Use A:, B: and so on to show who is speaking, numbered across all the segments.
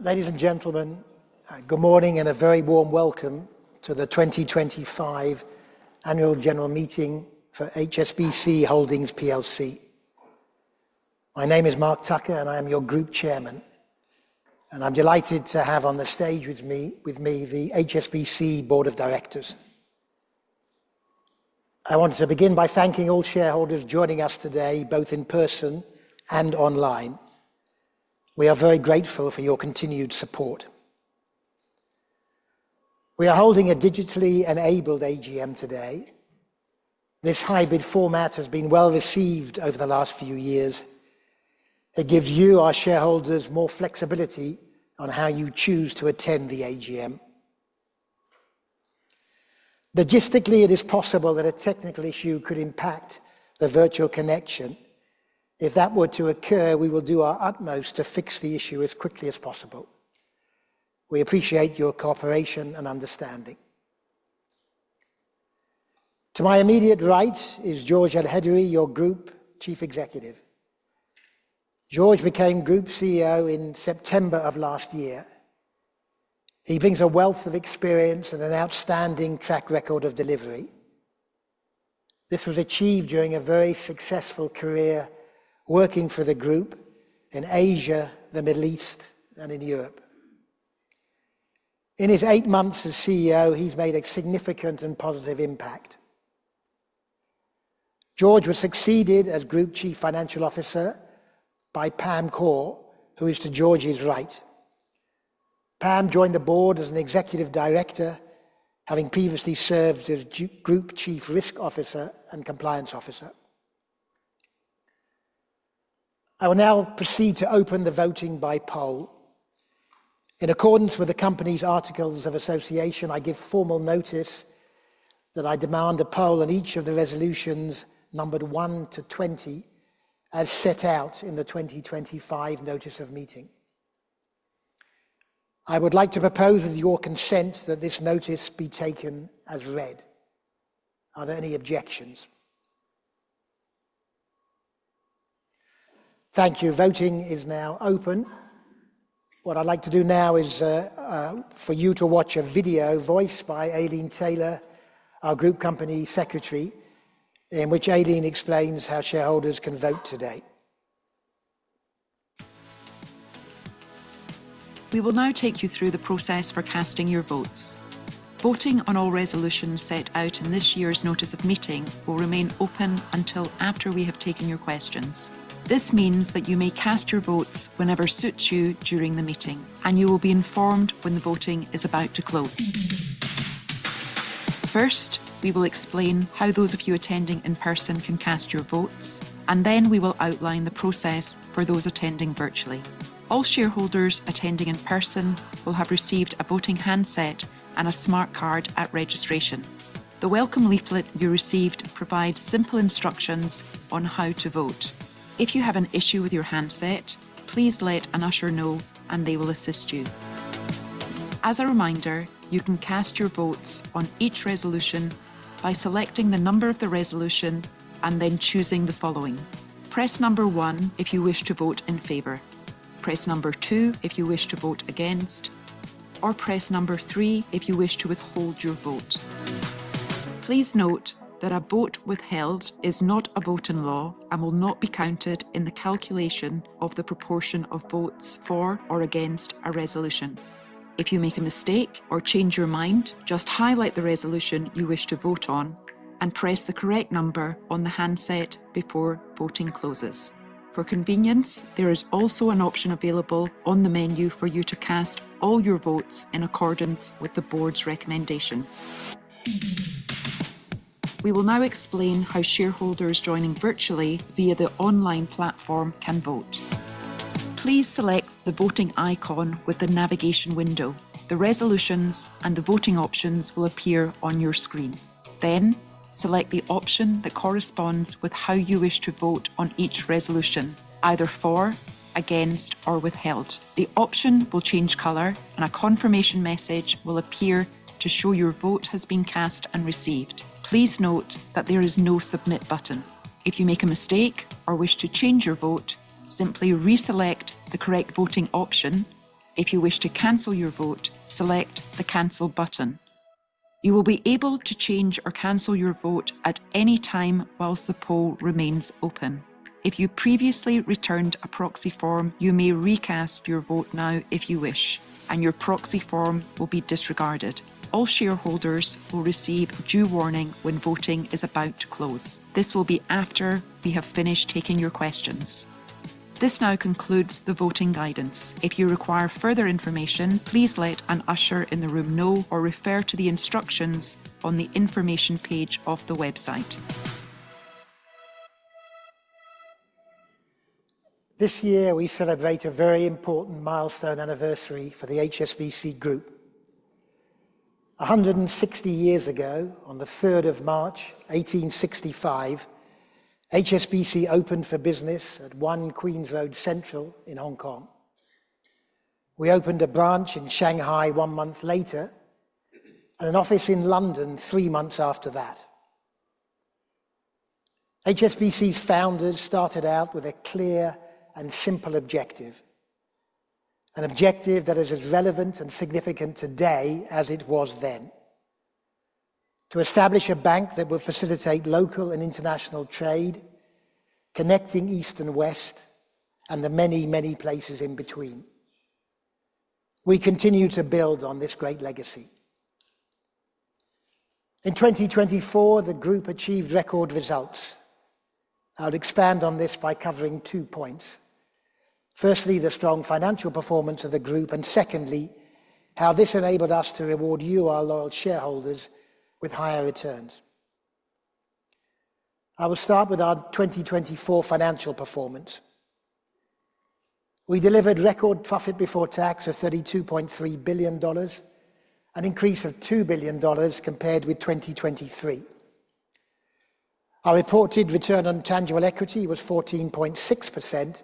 A: Ladies and gentlemen, good morning and a very warm welcome to the 2025 Annual General Meeting for HSBC Holdings. My name is Mark Tucker, and I am your Group Chairman. I am delighted to have on the stage with me the HSBC Board of Directors. I want to begin by thanking all shareholders joining us today, both in person and online. We are very grateful for your continued support. We are holding a digitally enabled AGM today. This hybrid format has been well received over the last few years. It gives you, our shareholders, more flexibility on how you choose to attend the AGM. Logistically, it is possible that a technical issue could impact the virtual connection. If that were to occur, we will do our utmost to fix the issue as quickly as possible. We appreciate your cooperation and understanding. To my immediate right is Georges Elhedery, your Group Chief Executive. Georges became Group CEO in September of last year. He brings a wealth of experience and an outstanding track record of delivery. This was achieved during a very successful career working for the Group in Asia, the Middle East, and in Europe. In his eight months as CEO, he's made a significant and positive impact. Georges was succeeded as Group Chief Financial Officer by Pam Kaur, who is to Georges's right. Pam joined the board as an Executive Director, having previously served as Group Chief Risk Officer and Compliance Officer. I will now proceed to open the voting by poll. In accordance with the company's Articles of Association, I give formal notice that I demand a poll on each of the resolutions numbered 1 to 20, as set out in the 2025 Notice of Meeting. I would like to propose, with your consent, that this notice be taken as read. Are there any objections? Thank you. Voting is now open. What I'd like to do now is for you to watch a video voiced by Aileen Taylor, our Group Company Secretary, in which Aileen explains how shareholders can vote today.
B: We will now take you through the process for casting your votes. Voting on all resolutions set out in this year's Notice of Meeting will remain open until after we have taken your questions. This means that you may cast your votes whenever suits you during the meeting, and you will be informed when the voting is about to close. First, we will explain how those of you attending in person can cast your votes, and then we will outline the process for those attending virtually. All shareholders attending in person will have received a voting handset and a smart card at registration. The welcome leaflet you received provides simple instructions on how to vote. If you have an issue with your handset, please let an usher know, and they will assist you. As a reminder, you can cast your votes on each resolution by selecting the number of the resolution and then choosing the following. Press number one if you wish to vote in favour. Press number two if you wish to vote against, or press number three if you wish to withhold your vote. Please note that a vote withheld is not a vote in law and will not be counted in the calculation of the proportion of votes for or against a resolution. If you make a mistake or change your mind, just highlight the resolution you wish to vote on and press the correct number on the handset before voting closes. For convenience, there is also an option available on the menu for you to cast all your votes in accordance with the board's recommendations. We will now explain how shareholders joining virtually via the online platform can vote. Please select the voting icon with the navigation window. The resolutions and the voting options will appear on your screen. Select the option that corresponds with how you wish to vote on each resolution, either for, against, or withheld. The option will change color, and a confirmation message will appear to show your vote has been cast and received. Please note that there is no submit button. If you make a mistake or wish to change your vote, simply reselect the correct voting option. If you wish to cancel your vote, select the cancel button. You will be able to change or cancel your vote at any time whilst the poll remains open. If you previously returned a proxy form, you may recast your vote now if you wish, and your proxy form will be disregarded. All shareholders will receive due warning when voting is about to close. This will be after we have finished taking your questions. This now concludes the voting guidance. If you require further information, please let an usher in the room know or refer to the instructions on the information page of the website.
A: This year, we celebrate a very important milestone anniversary for the HSBC Group. One hundred sixty years ago, on the 3rd of March, 1865, HSBC opened for business at 1 Queens Road Central in Hong Kong. We opened a branch in Shanghai one month later and an office in London three months after that. HSBC's founders started out with a clear and simple objective, an objective that is as relevant and significant today as it was then: to establish a bank that would facilitate local and international trade, connecting East and West and the many, many places in between. We continue to build on this great legacy. In 2024, the Group achieved record results. I'll expand on this by covering two points. Firstly, the strong financial performance of the Group, and secondly, how this enabled us to reward you, our loyal shareholders, with higher returns. I will start with our 2024 financial performance. We delivered record profit before tax of $32.3 billion, an increase of $2 billion compared with 2023. Our reported return on tangible equity was 14.6%,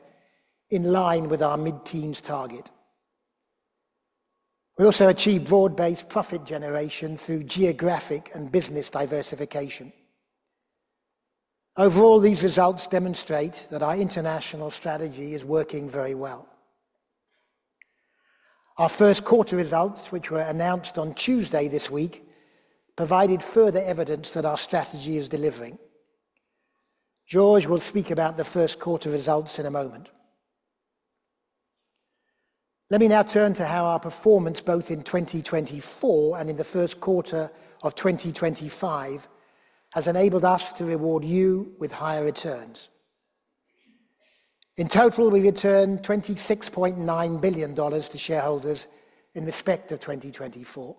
A: in line with our mid-teens target. We also achieved broad-based profit generation through geographic and business diversification. Overall, these results demonstrate that our international strategy is working very well. Our first quarter results, which were announced on Tuesday this week, provided further evidence that our strategy is delivering. George will speak about the first quarter results in a moment. Let me now turn to how our performance, both in 2024 and in the first quarter of 2025, has enabled us to reward you with higher returns. In total, we returned $26.9 billion to shareholders in respect of 2024.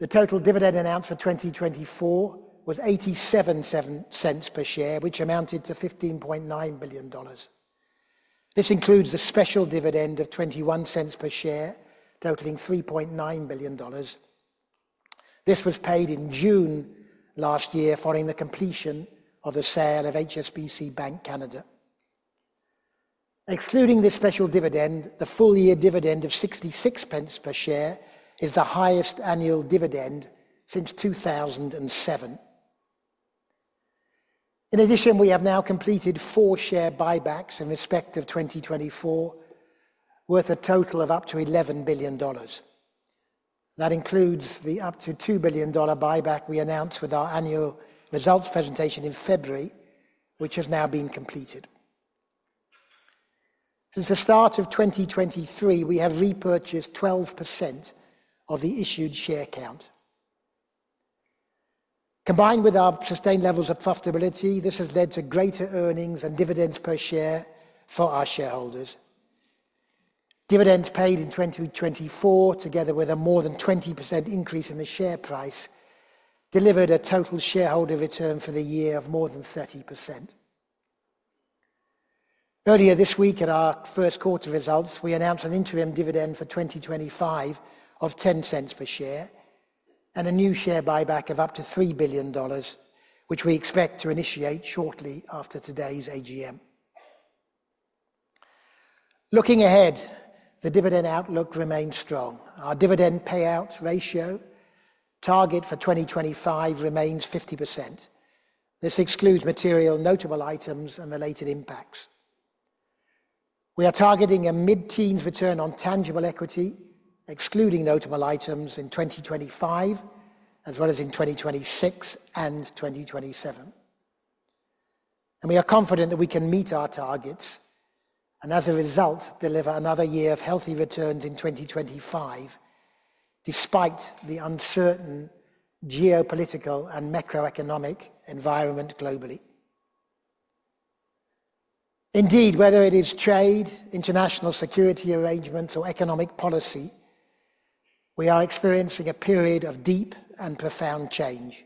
A: The total dividend announced for 2024 was $0.87 per share, which amounted to $15.9 billion. This includes the special dividend of $0.21 per share, totaling $3.9 billion. This was paid in June last year, following the completion of the sale of HSBC Bank Canada. Excluding this special dividend, the full-year dividend of $0.66 per share is the highest annual dividend since 2007. In addition, we have now completed four share buybacks in respect of 2024, worth a total of up to $11 billion. That includes the up to $2 billion buyback we announced with our annual results presentation in February, which has now been completed. Since the start of 2023, we have repurchased 12% of the issued share count. Combined with our sustained levels of profitability, this has led to greater earnings and dividends per share for our shareholders. Dividends paid in 2024, together with a more than 20% increase in the share price, delivered a total shareholder return for the year of more than 30%. Earlier this week, at our first quarter results, we announced an interim dividend for 2025 of $0.10 per share and a new share buyback of up to $3 billion, which we expect to initiate shortly after today's AGM. Looking ahead, the dividend outlook remains strong. Our dividend payout ratio target for 2025 remains 50%. This excludes material notable items and related impacts. We are targeting a mid-teens return on tangible equity, excluding notable items in 2025, as well as in 2026 and 2027. We are confident that we can meet our targets and, as a result, deliver another year of healthy returns in 2025, despite the uncertain geopolitical and macroeconomic environment globally. Indeed, whether it is trade, international security arrangements, or economic policy, we are experiencing a period of deep and profound change.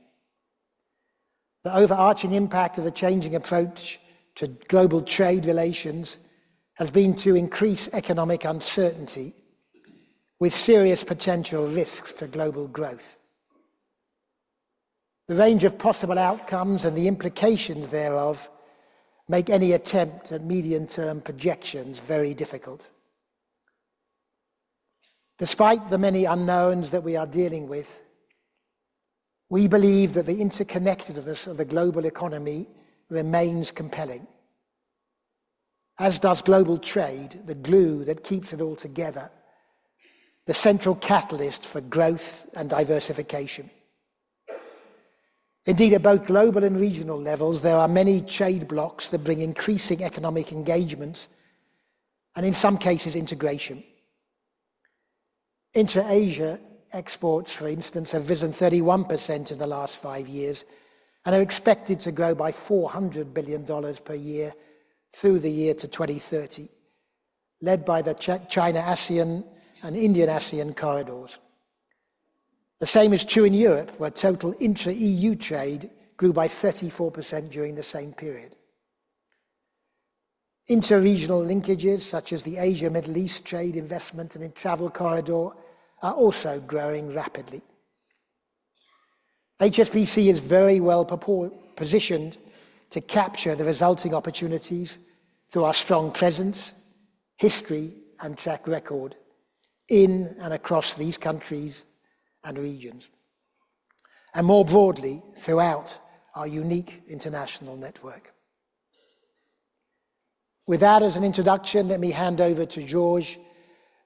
A: The overarching impact of the changing approach to global trade relations has been to increase economic uncertainty, with serious potential risks to global growth. The range of possible outcomes and the implications thereof make any attempt at medium-term projections very difficult. Despite the many unknowns that we are dealing with, we believe that the interconnectedness of the global economy remains compelling, as does global trade, the glue that keeps it all together, the central catalyst for growth and diversification. Indeed, at both global and regional levels, there are many trade blocs that bring increasing economic engagements and, in some cases, integration. Inter-Asia exports, for instance, have risen 31% in the last five years and are expected to grow by $400 billion per year through the year to 2030, led by the China-ASEAN and Indian-ASEAN corridors. The same is true in Europe, where total intra-EU trade grew by 34% during the same period. Inter-regional linkages, such as the Asia-Middle East trade investment and travel corridor, are also growing rapidly. HSBC is very well positioned to capture the resulting opportunities through our strong presence, history, and track record in and across these countries and regions, and more broadly throughout our unique international network. With that as an introduction, let me hand over to Georges,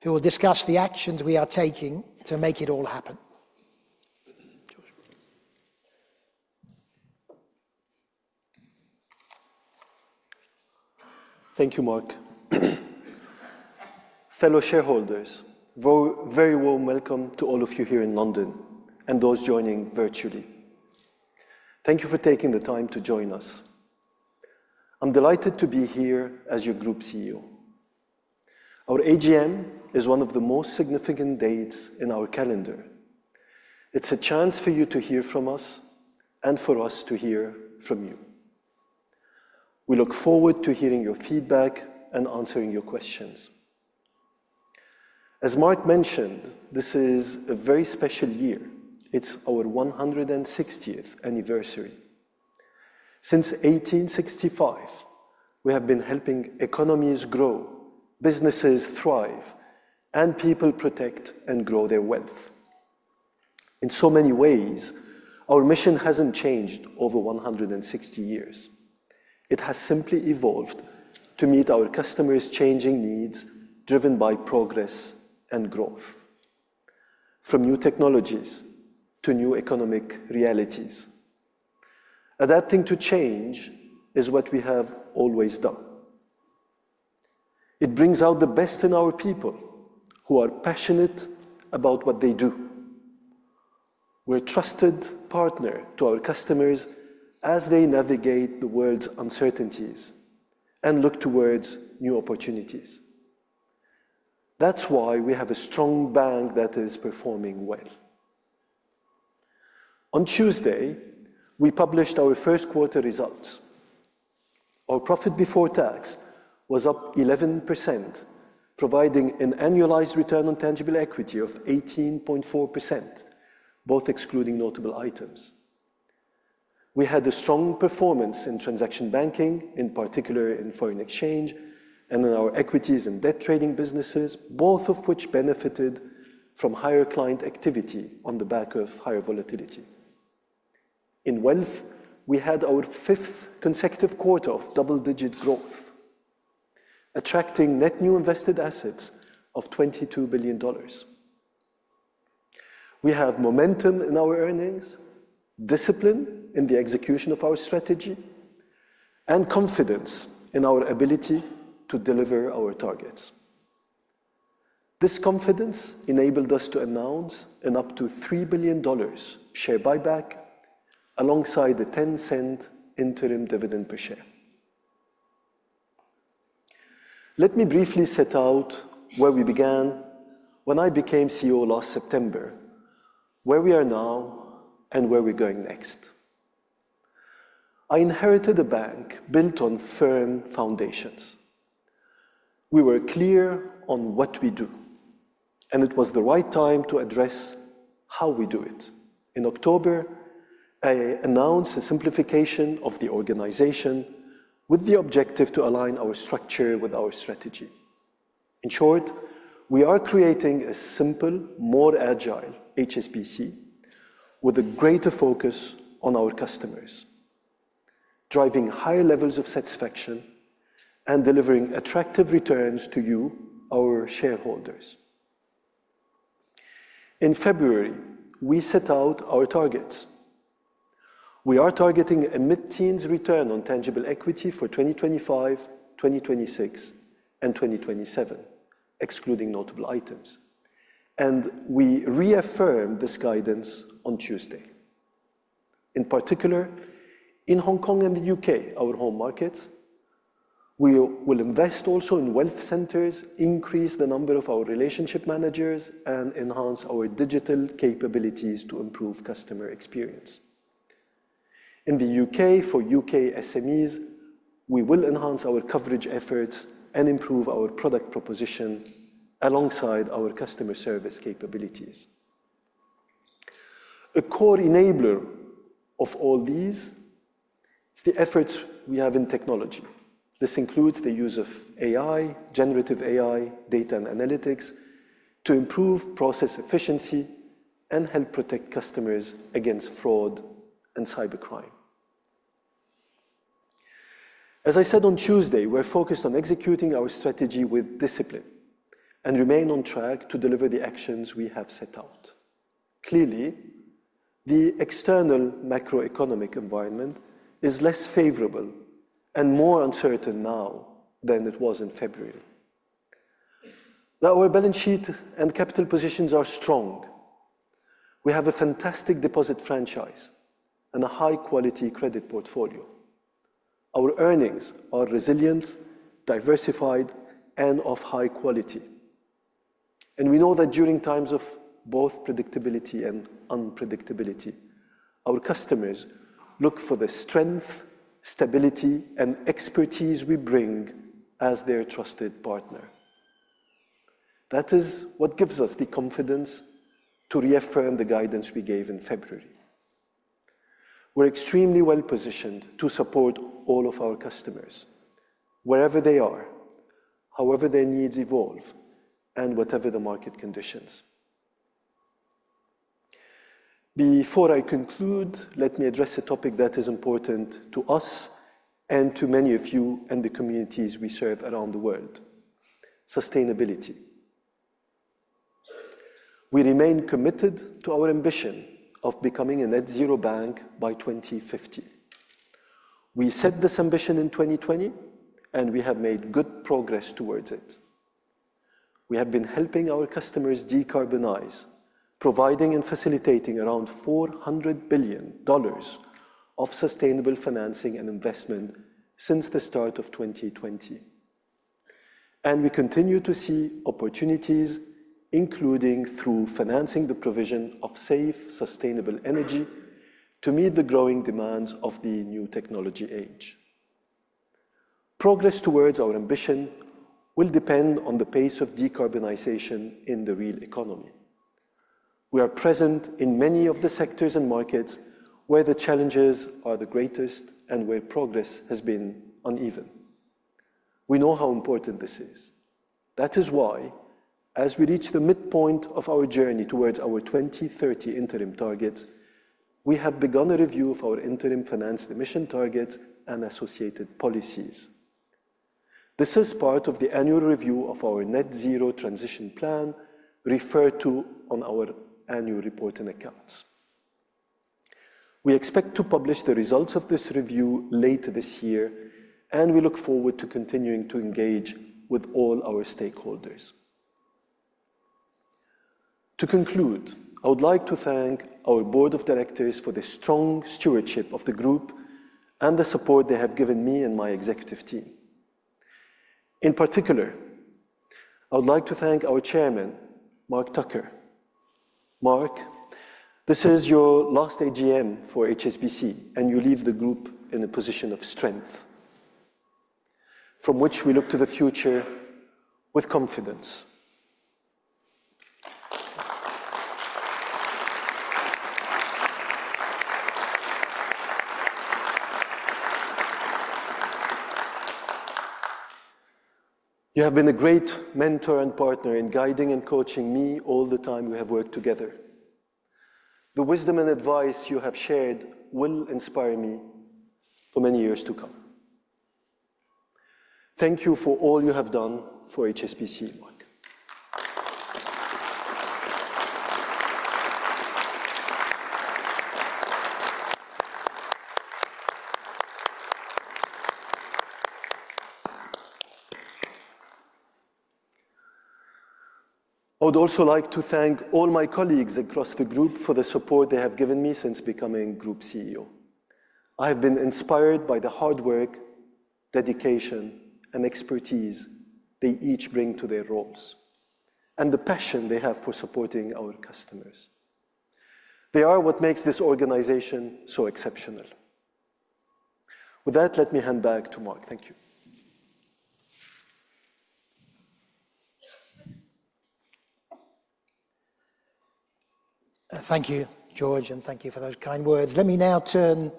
A: who will discuss the actions we are taking to make it all happen. Georges.
C: Thank you, Mark. Fellow shareholders, very warm welcome to all of you here in London and those joining virtually. Thank you for taking the time to join us. I'm delighted to be here as your Group CEO. Our AGM is one of the most significant dates in our calendar. It's a chance for you to hear from us and for us to hear from you. We look forward to hearing your feedback and answering your questions. As Mark mentioned, this is a very special year. It's our 160th anniversary. Since 1865, we have been helping economies grow, businesses thrive, and people protect and grow their wealth. In so many ways, our mission hasn't changed over 160 years. It has simply evolved to meet our customers' changing needs, driven by progress and growth, from new technologies to new economic realities. Adapting to change is what we have always done. It brings out the best in our people, who are passionate about what they do. We're a trusted partner to our customers as they navigate the world's uncertainties and look towards new opportunities. That's why we have a strong bank that is performing well. On Tuesday, we published our first quarter results. Our profit before tax was up 11%, providing an annualized return on tangible equity of 18.4%, both excluding notable items. We had a strong performance in transaction banking, in particular in foreign exchange, and in our equities and debt trading businesses, both of which benefited from higher client activity on the back of higher volatility. In wealth, we had our fifth consecutive quarter of double-digit growth, attracting net new invested assets of $22 billion. We have momentum in our earnings, discipline in the execution of our strategy, and confidence in our ability to deliver our targets. This confidence enabled us to announce an up to $3 billion share buyback alongside a $0.10 interim dividend per share. Let me briefly set out where we began when I became CEO last September, where we are now, and where we're going next. I inherited a bank built on firm foundations. We were clear on what we do, and it was the right time to address how we do it. In October, I announced a simplification of the organisation with the objective to align our structure with our strategy. In short, we are creating a simple, more agile HSBC with a greater focus on our customers, driving higher levels of satisfaction and delivering attractive returns to you, our shareholders. In February, we set out our targets. We are targeting a mid-teens return on tangible equity for 2025, 2026, and 2027, excluding notable items. We reaffirmed this guidance on Tuesday. In particular, in Hong Kong and the U.K., our home markets, we will invest also in wealth centers, increase the number of our relationship managers, and enhance our digital capabilities to improve customer experience. In the U.K., for U.K. SMEs, we will enhance our coverage efforts and improve our product proposition alongside our customer service capabilities. A core enabler of all these is the efforts we have in technology. This includes the use of AI, generative AI, data, and analytics to improve process efficiency and help protect customers against fraud and cybercrime. As I said on Tuesday, we're focused on executing our strategy with discipline and remain on track to deliver the actions we have set out. Clearly, the external macroeconomic environment is less favorable and more uncertain now than it was in February. Now, our balance sheet and capital positions are strong. We have a fantastic deposit franchise and a high-quality credit portfolio. Our earnings are resilient, diversified, and of high quality. We know that during times of both predictability and unpredictability, our customers look for the strength, stability, and expertise we bring as their trusted partner. That is what gives us the confidence to reaffirm the guidance we gave in February. We're extremely well positioned to support all of our customers, wherever they are, however their needs evolve, and whatever the market conditions. Before I conclude, let me address a topic that is important to us and to many of you and the communities we serve around the world: sustainability. We remain committed to our ambition of becoming a net zero bank by 2050. We set this ambition in 2020, and we have made good progress towards it. We have been helping our customers decarbonize, providing and facilitating around $400 billion of sustainable financing and investment since the start of 2020. We continue to see opportunities, including through financing the provision of safe, sustainable energy to meet the growing demands of the new technology age. Progress towards our ambition will depend on the pace of decarbonization in the real economy. We are present in many of the sectors and markets where the challenges are the greatest and where progress has been uneven. We know how important this is. That is why, as we reach the midpoint of our journey towards our 2030 interim targets, we have begun a review of our interim finance emission targets and associated policies. This is part of the annual review of our net zero transition plan referred to in our annual report and accounts. We expect to publish the results of this review later this year, and we look forward to continuing to engage with all our stakeholders. To conclude, I would like to thank our Board of Directors for the strong stewardship of the Group and the support they have given me and my executive team. In particular, I would like to thank our Chairman, Mark Tucker. Mark, this is your last AGM for HSBC, and you leave the Group in a position of strength from which we look to the future with confidence. You have been a great mentor and partner in guiding and coaching me all the time we have worked together. The wisdom and advice you have shared will inspire me for many years to come. Thank you for all you have done for HSBC, Mark. I would also like to thank all my colleagues across the Group for the support they have given me since becoming Group CEO. I have been inspired by the hard work, dedication, and expertise they each bring to their roles and the passion they have for supporting our customers. They are what makes this organization so exceptional. With that, let me hand back to Mark. Thank you.
A: Thank you, George, and thank you for those kind words. Let me now turn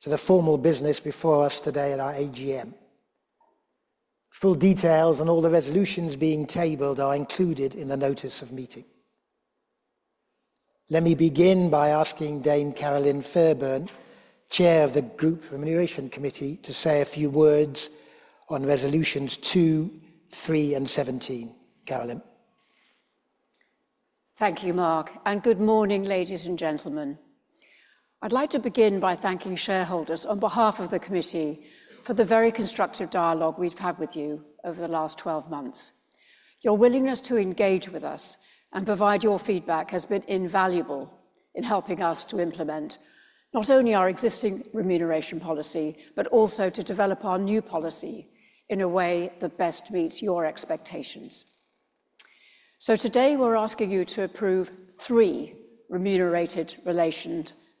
A: to the formal business before us today at our AGM. Full details and all the resolutions being tabled are included in the notice of meeting. Let me begin by asking Dame Caroline Fairbairn, Chair of the Group Remuneration Committee, to say a few words on resolutions two, three, and seventeen. Caroline.
D: Thank you, Mark. Good morning, ladies and gentlemen. I'd like to begin by thanking shareholders on behalf of the Committee for the very constructive dialogue we've had with you over the last 12 months. Your willingness to engage with us and provide your feedback has been invaluable in helping us to implement not only our existing remuneration policy, but also to develop our new policy in a way that best meets your expectations. Today, we're asking you to approve three remuneration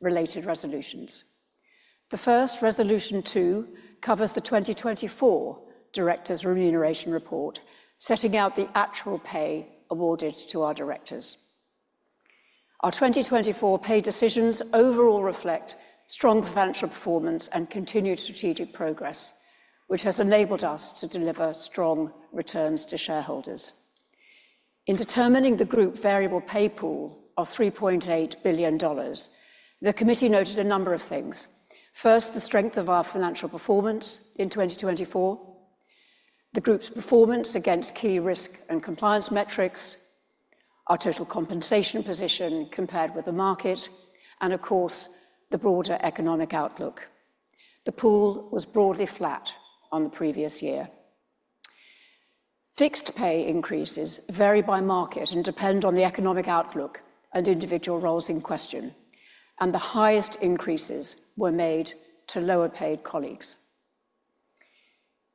D: related resolutions. The first resolution two covers the 2024 Directors' Remuneration Report, setting out the actual pay awarded to our directors. Our 2024 pay decisions overall reflect strong financial performance and continued strategic progress, which has enabled us to deliver strong returns to shareholders. In determining the Group variable pay pool of $3.8 billion, the Committee noted a number of things. First, the strength of our financial performance in 2024, the Group's performance against key risk and compliance metrics, our total compensation position compared with the market, and of course, the broader economic outlook. The pool was broadly flat on the previous year. Fixed pay increases vary by market and depend on the economic outlook and individual roles in question, and the highest increases were made to lower-paid colleagues.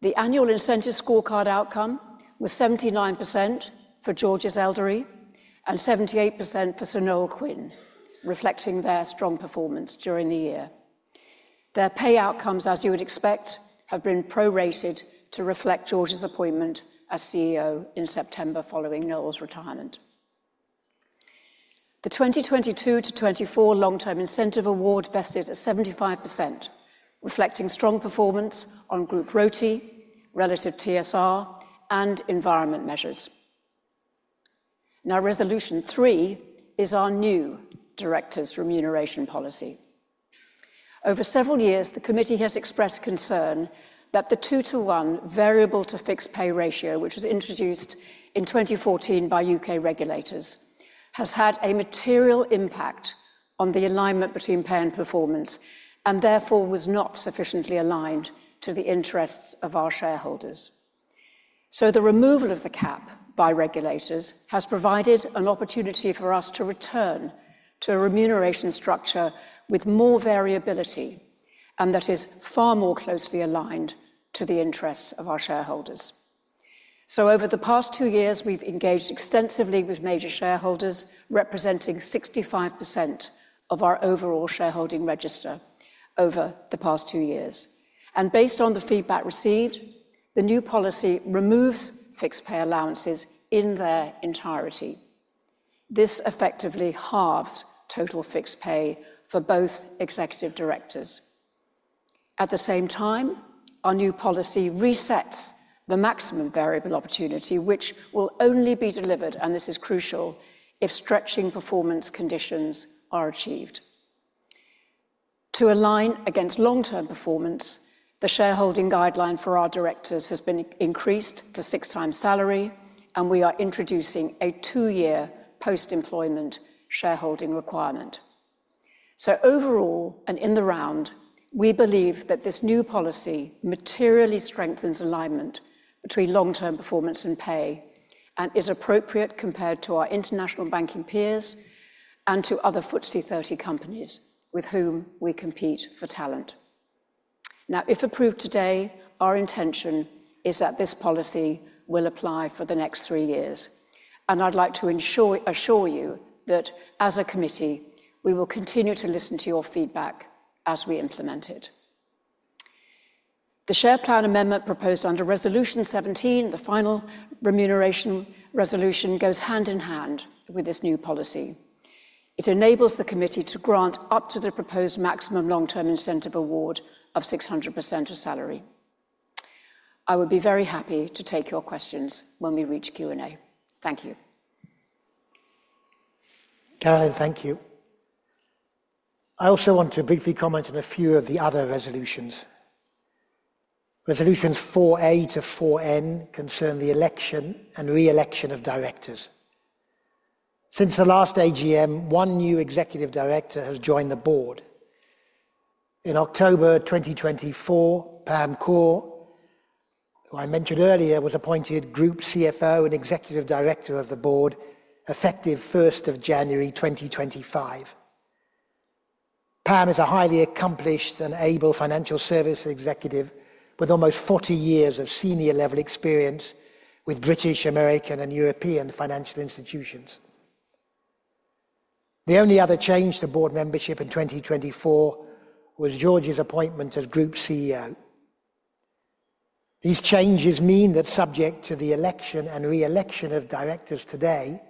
D: The annual incentive scorecard outcome was 79% for Georges Elhedery and 78% for Sir Noel Quinn, reflecting their strong performance during the year. Their pay outcomes, as you would expect, have been prorated to reflect Georges's appointment as CEO in September following Noel's retirement. The 2022 to 2024 long-term incentive award vested at 75%, reflecting strong performance on Group ROTE, relative TSR, and environment measures. Now, resolution three is our new Directors' Remuneration Policy. Over several years, the Committee has expressed concern that the two-to-one variable to fixed pay ratio, which was introduced in 2014 by U.K. regulators, has had a material impact on the alignment between pay and performance and therefore was not sufficiently aligned to the interests of our shareholders. The removal of the cap by regulators has provided an opportunity for us to return to a remuneration structure with more variability and that is far more closely aligned to the interests of our shareholders. Over the past two years, we've engaged extensively with major shareholders, representing 65% of our overall shareholding register over the past two years. Based on the feedback received, the new policy removes fixed pay allowances in their entirety. This effectively halves total fixed pay for both executive directors. At the same time, our new policy resets the maximum variable opportunity, which will only be delivered, and this is crucial, if stretching performance conditions are achieved. To align against long-term performance, the shareholding guideline for our directors has been increased to six times salary, and we are introducing a two-year post-employment shareholding requirement. Overall and in the round, we believe that this new policy materially strengthens alignment between long-term performance and pay and is appropriate compared to our international banking peers and to other FTSE 30 companies with whom we compete for talent. If approved today, our intention is that this policy will apply for the next three years. I would like to assure you that as a Committee, we will continue to listen to your feedback as we implement it. The share plan amendment proposed under resolution seventeen, the final remuneration resolution, goes hand in hand with this new policy. It enables the Committee to grant up to the proposed maximum long-term incentive award of 600% of salary. I would be very happy to take your questions when we reach Q&A. Thank you.
A: Caroline, thank you. I also want to briefly comment on a few of the other resolutions. Resolutions 4A to 4N concern the election and re-election of directors. Since the last AGM, one new executive director has joined the Board. In October 2024, Pam Kaur, who I mentioned earlier, was appointed Group CFO and Executive Director of the Board effective 1st of January 2025. Pam is a highly accomplished and able financial service executive with almost 40 years of senior-level experience with British, American, and European financial institutions. The only other change to Board membership in 2024 was Georges's appointment as Group CEO. These changes mean that subject to the election and re-election of directors today,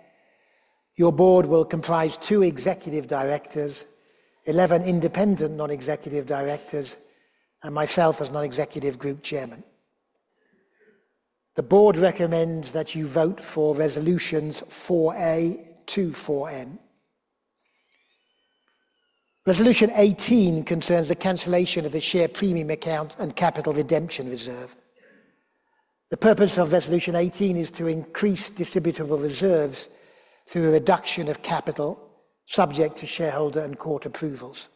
A: your Board will comprise two executive directors, 11 independent non-executive directors, and myself as Non-Executive Group Chairman. The Board recommends that you vote for resolutions 4A to 4N. Resolution 18 concerns the cancellation of the share premium account and capital redemption reserve. The purpose of resolution 18 is to increase distributable reserves through a reduction of capital subject to shareholder and court approvals.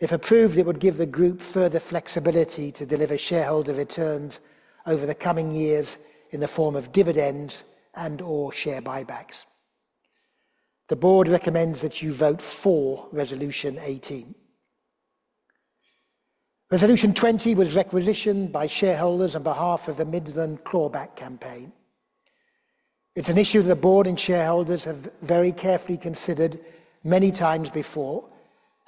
A: If approved, it would give the Group further flexibility to deliver shareholder returns over the coming years in the form of dividends and/or share buybacks. The Board recommends that you vote for resolution 18. Resolution 20 was requisitioned by shareholders on behalf of the Midland Clawback campaign. It's an issue that the Board and shareholders have very carefully considered many times before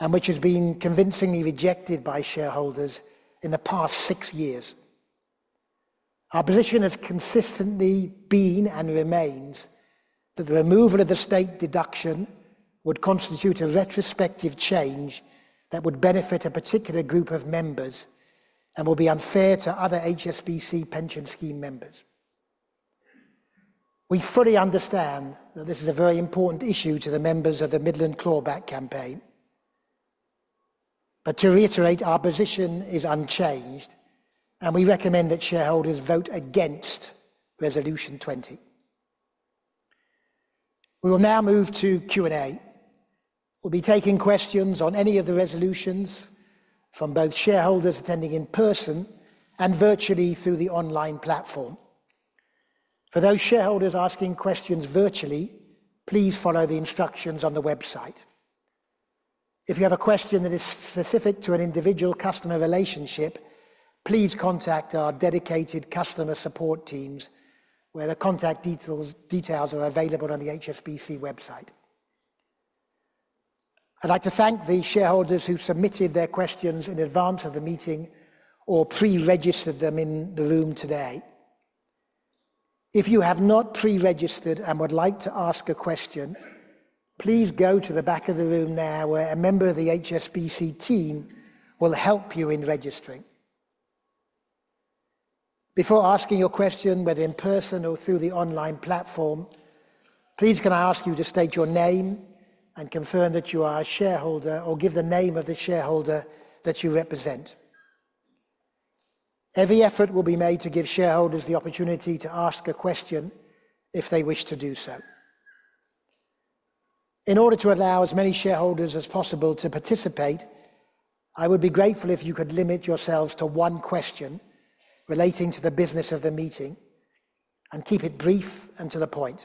A: and which has been convincingly rejected by shareholders in the past six years. Our position has consistently been and remains that the removal of the state deduction would constitute a retrospective change that would benefit a particular group of members and will be unfair to other HSBC Pension Scheme members. We fully understand that this is a very important issue to the members of the Midland Clawback campaign. To reiterate, our position is unchanged, and we recommend that shareholders vote against resolution 20. We will now move to Q&A. We'll be taking questions on any of the resolutions from both shareholders attending in person and virtually through the online platform. For those shareholders asking questions virtually, please follow the instructions on the website. If you have a question that is specific to an individual customer relationship, please contact our dedicated customer support teams where the contact details are available on the HSBC website. I'd like to thank the shareholders who submitted their questions in advance of the meeting or pre-registered them in the room today. If you have not pre-registered and would like to ask a question, please go to the back of the room now where a member of the HSBC team will help you in registering. Before asking your question, whether in person or through the online platform, please can I ask you to state your name and confirm that you are a shareholder or give the name of the shareholder that you represent? Every effort will be made to give shareholders the opportunity to ask a question if they wish to do so. In order to allow as many shareholders as possible to participate, I would be grateful if you could limit yourselves to one question relating to the business of the meeting and keep it brief and to the point.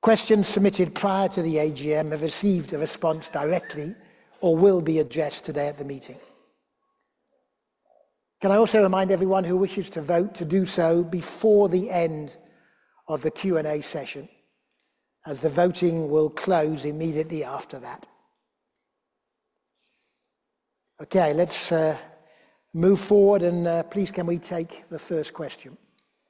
A: Questions submitted prior to the AGM have received a response directly or will be addressed today at the meeting. Can I also remind everyone who wishes to vote to do so before the end of the Q&A session, as the voting will close immediately after that? Okay, let's move forward, and please can we take the first question?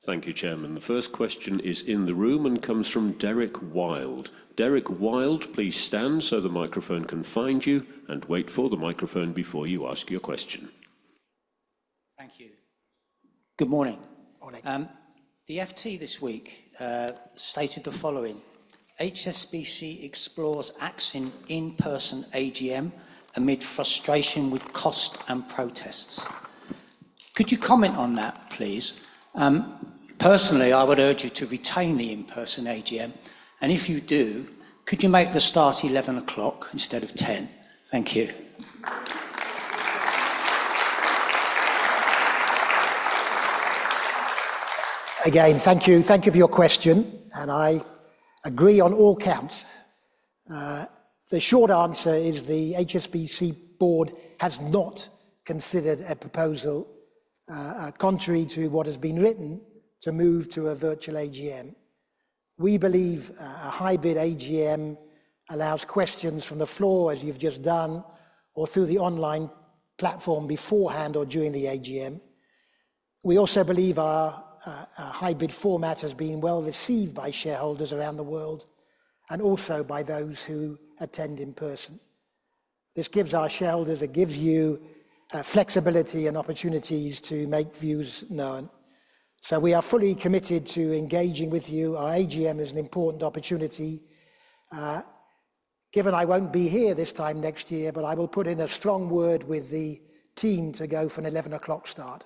E: Thank you, Chairman. The first question is in the room and comes from Derek Wylde. Derek Wylde, please stand so the microphone can find you and wait for the microphone before you ask your question. Thank you. Good morning. The FT this week stated the following. HSBC explores axing in-person AGM amid frustration with cost and protests. Could you comment on that, please? Personally, I would urge you to retain the in-person AGM. If you do, could you make the start 11:00 A.M. instead of 10:00? Thank you.
A: Again, thank you. Thank you for your question. I agree on all counts. The short answer is the HSBC Board has not considered a proposal contrary to what has been written to move to a virtual AGM. We believe a hybrid AGM allows questions from the floor, as you've just done, or through the online platform beforehand or during the AGM. We also believe our hybrid format has been well received by shareholders around the world and also by those who attend in person. This gives our shareholders a give-you flexibility and opportunities to make views known. We are fully committed to engaging with you. Our AGM is an important opportunity. Given I won't be here this time next year, I will put in a strong word with the team to go for an 11:00 A.M. start.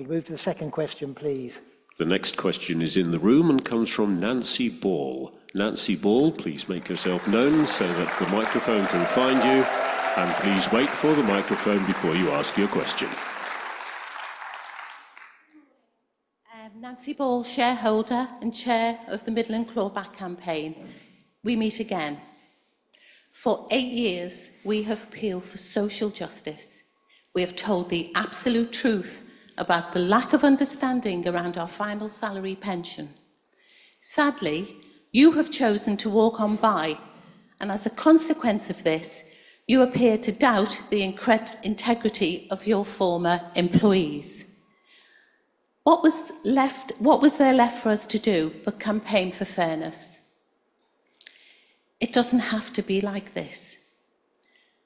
A: We move to the second question, please.
E: The next question is in the room and comes from Nancy Ball. Nancy Ball, please make yourself known so that the microphone can find you. Please wait for the microphone before you ask your question.
F: Nancy Ball, shareholder and chair of the Midland Clawback campaign. We meet again. For eight years, we have appealed for social justice. We have told the absolute truth about the lack of understanding around our final salary pension. Sadly, you have chosen to walk on by. As a consequence of this, you appear to doubt the integrity of your former employees. What was there left for us to do but campaign for fairness? It doesn't have to be like this.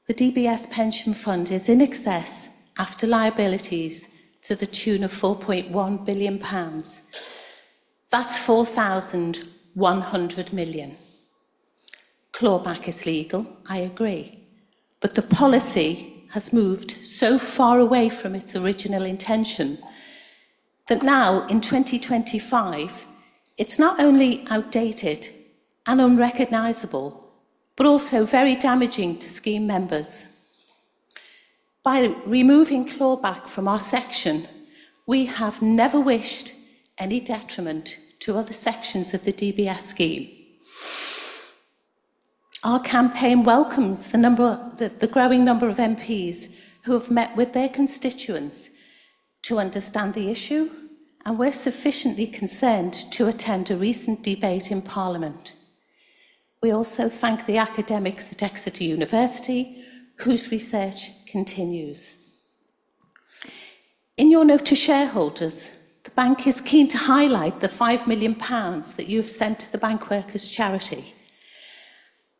F: The DBS Pension Fund is in excess after liabilities to the tune of 4.1 billion pounds. That's 4,100 million. Clawback is legal, I agree. The policy has moved so far away from its original intention that now, in 2025, it's not only outdated and unrecognizable, but also very damaging to scheme members. By removing clawback from our section, we have never wished any detriment to other sections of the DBS scheme. Our campaign welcomes the growing number of MPs who have met with their constituents to understand the issue, and we're sufficiently concerned to attend a recent debate in Parliament. We also thank the academics at Exeter University, whose research continues. In your note to shareholders, the bank is keen to highlight the 5 million pounds that you have sent to the Bank Workers Charity.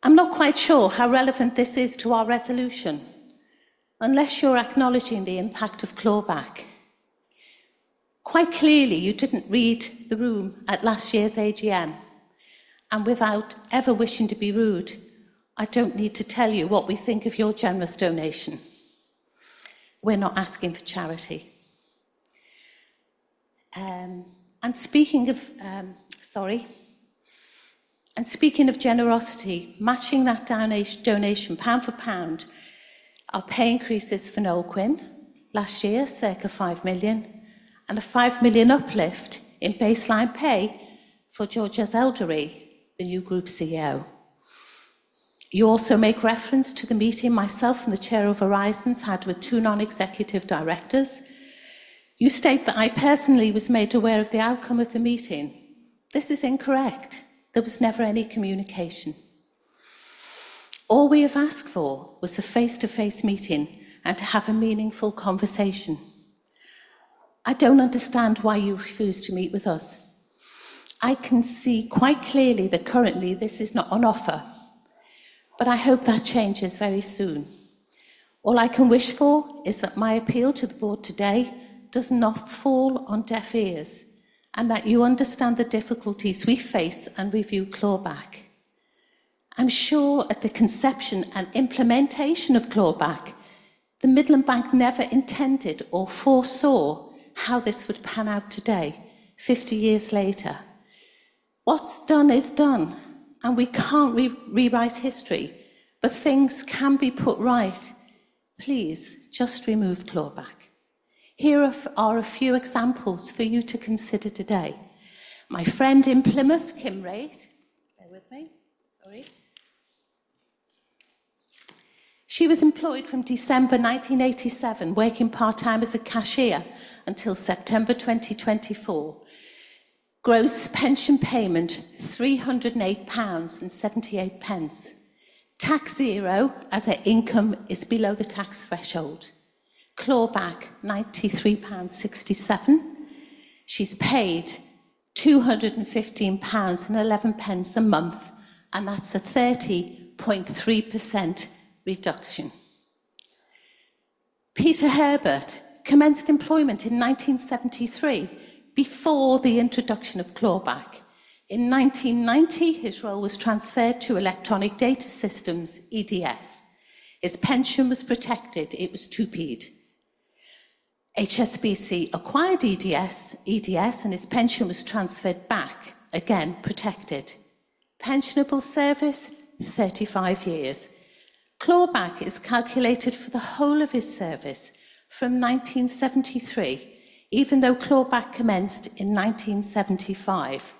F: I'm not quite sure how relevant this is to our resolution, unless you're acknowledging the impact of clawback. Quite clearly, you didn't read the room at last year's AGM. Without ever wishing to be rude, I don't need to tell you what we think of your generous donation. We're not asking for charity. Speaking of generosity, matching that donation pound for pound, our pay increases for Noel Quinn last year, circa 5 million, and a 5 million uplift in baseline pay for George S. Elhedery, the new Group CEO. You also make reference to the meeting myself and the Chair of Horizons had with two non-executive directors. You state that I personally was made aware of the outcome of the meeting. This is incorrect. There was never any communication. All we have asked for was a face-to-face meeting and to have a meaningful conversation. I don't understand why you refuse to meet with us. I can see quite clearly that currently this is not an offer, but I hope that changes very soon. All I can wish for is that my appeal to the Board today does not fall on deaf ears and that you understand the difficulties we face and review clawback. I'm sure at the conception and implementation of clawback, the Midland Bank never intended or foresaw how this would pan out today, 50 years later. What's done is done, and we can't rewrite history, but things can be put right. Please just remove clawback. Here are a few examples for you to consider today. My friend in Plymouth, Kim Wraith, bear with me. Sorry. She was employed from December 1987, working part-time as a cashier until September 2024. Gross pension payment, 308.78 pounds. Tax zero as her income is below the tax threshold. Clawback, 93.67 pounds. She's paid 215.11 pounds a month, and that's a 30.3% reduction. Peter Herbert commenced employment in 1973 before the introduction of clawback. In 1990, his role was transferred to Electronic Data Systems, EDS. His pension was protected. It was two-peed. HSBC acquired EDS, and his pension was transferred back, again protected. Pensionable service, 35 years. Clawback is calculated for the whole of his service from 1973, even though clawback commenced in 1975.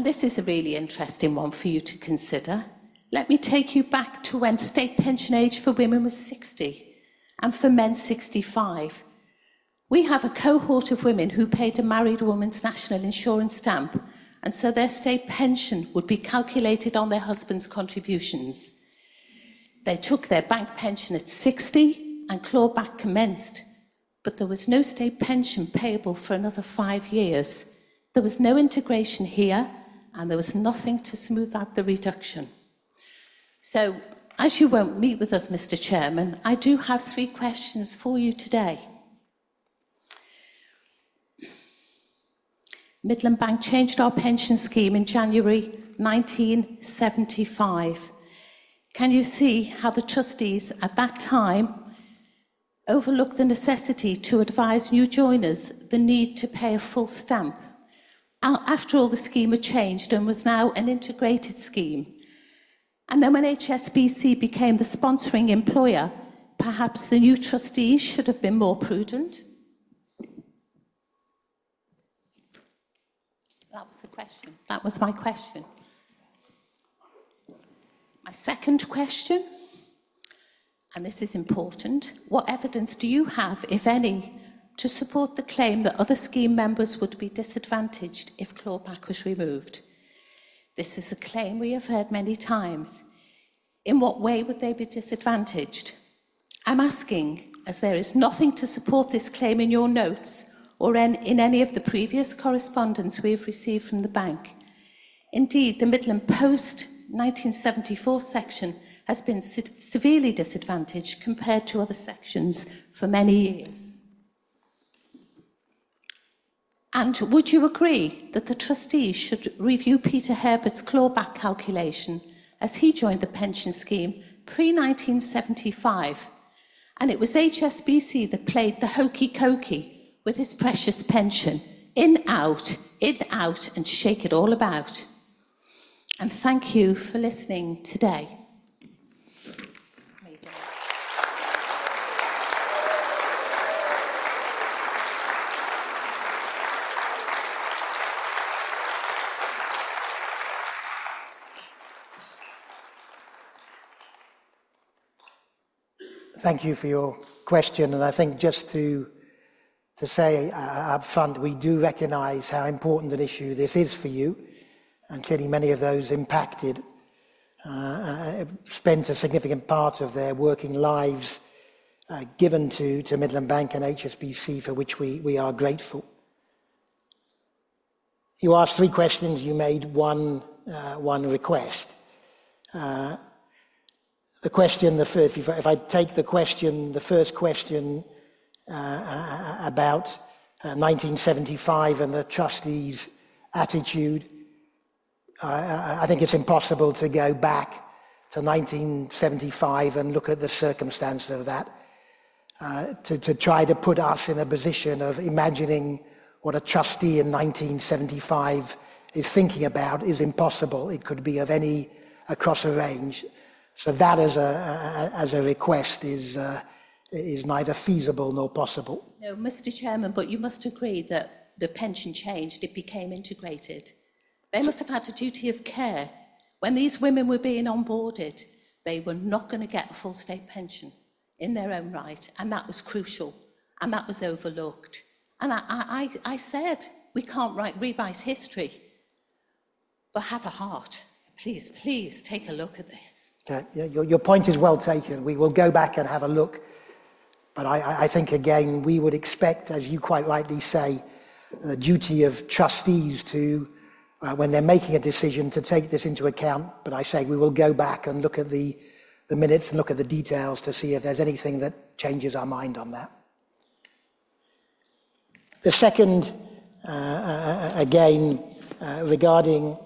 F: This is a really interesting one for you to consider. Let me take you back to when state pension age for women was 60 and for men 65. We have a cohort of women who paid a married woman's National Insurance stamp, and so their state pension would be calculated on their husband's contributions. They took their bank pension at 60, and clawback commenced, but there was no state pension payable for another five years. There was no integration here, and there was nothing to smooth out the reduction. As you won't meet with us, Mr. Chairman, I do have three questions for you today. Midland Bank changed our pension scheme in January 1975. Can you see how the trustees at that time overlooked the necessity to advise new joiners the need to pay a full stamp? After all, the scheme had changed and was now an integrated scheme. When HSBC became the sponsoring employer, perhaps the new trustees should have been more prudent. That was the question. That was my question. My second question, and this is important, what evidence do you have, if any, to support the claim that other scheme members would be disadvantaged if clawback was removed? This is a claim we have heard many times. In what way would they be disadvantaged? I'm asking as there is nothing to support this claim in your notes or in any of the previous correspondence we have received from the bank. Indeed, the Midland Post 1974 section has been severely disadvantaged compared to other sections for many years. Would you agree that the trustees should review Peter Herbert's clawback calculation as he joined the pension scheme pre-1975? It was HSBC that played the hokey cokey with his precious pension. In out, in out, and shake it all about. Thank you for listening today.
A: Thank you for your question. I think just to say upfront, we do recognize how important an issue this is for you. Clearly, many of those impacted spent a significant part of their working lives given to Midland Bank and HSBC, for which we are grateful. You asked three questions. You made one request. The question, if I take the question, the first question about 1975 and the trustees' attitude, I think it's impossible to go back to 1975 and look at the circumstances of that. To try to put us in a position of imagining what a trustee in 1975 is thinking about is impossible. It could be of any across a range. That as a request is neither feasible nor possible.
F: No, Mr. Chairman, but you must agree that the pension changed. It became integrated. They must have had a duty of care. When these women were being onboarded, they were not going to get a full state pension in their own right. That was crucial. That was overlooked. I said, we can't rewrite history. Please, please take a look at this.
A: Your point is well taken. We will go back and have a look. I think, again, we would expect, as you quite rightly say, the duty of trustees to, when they're making a decision, to take this into account. I say we will go back and look at the minutes and look at the details to see if there's anything that changes our mind on that. The second, again, regarding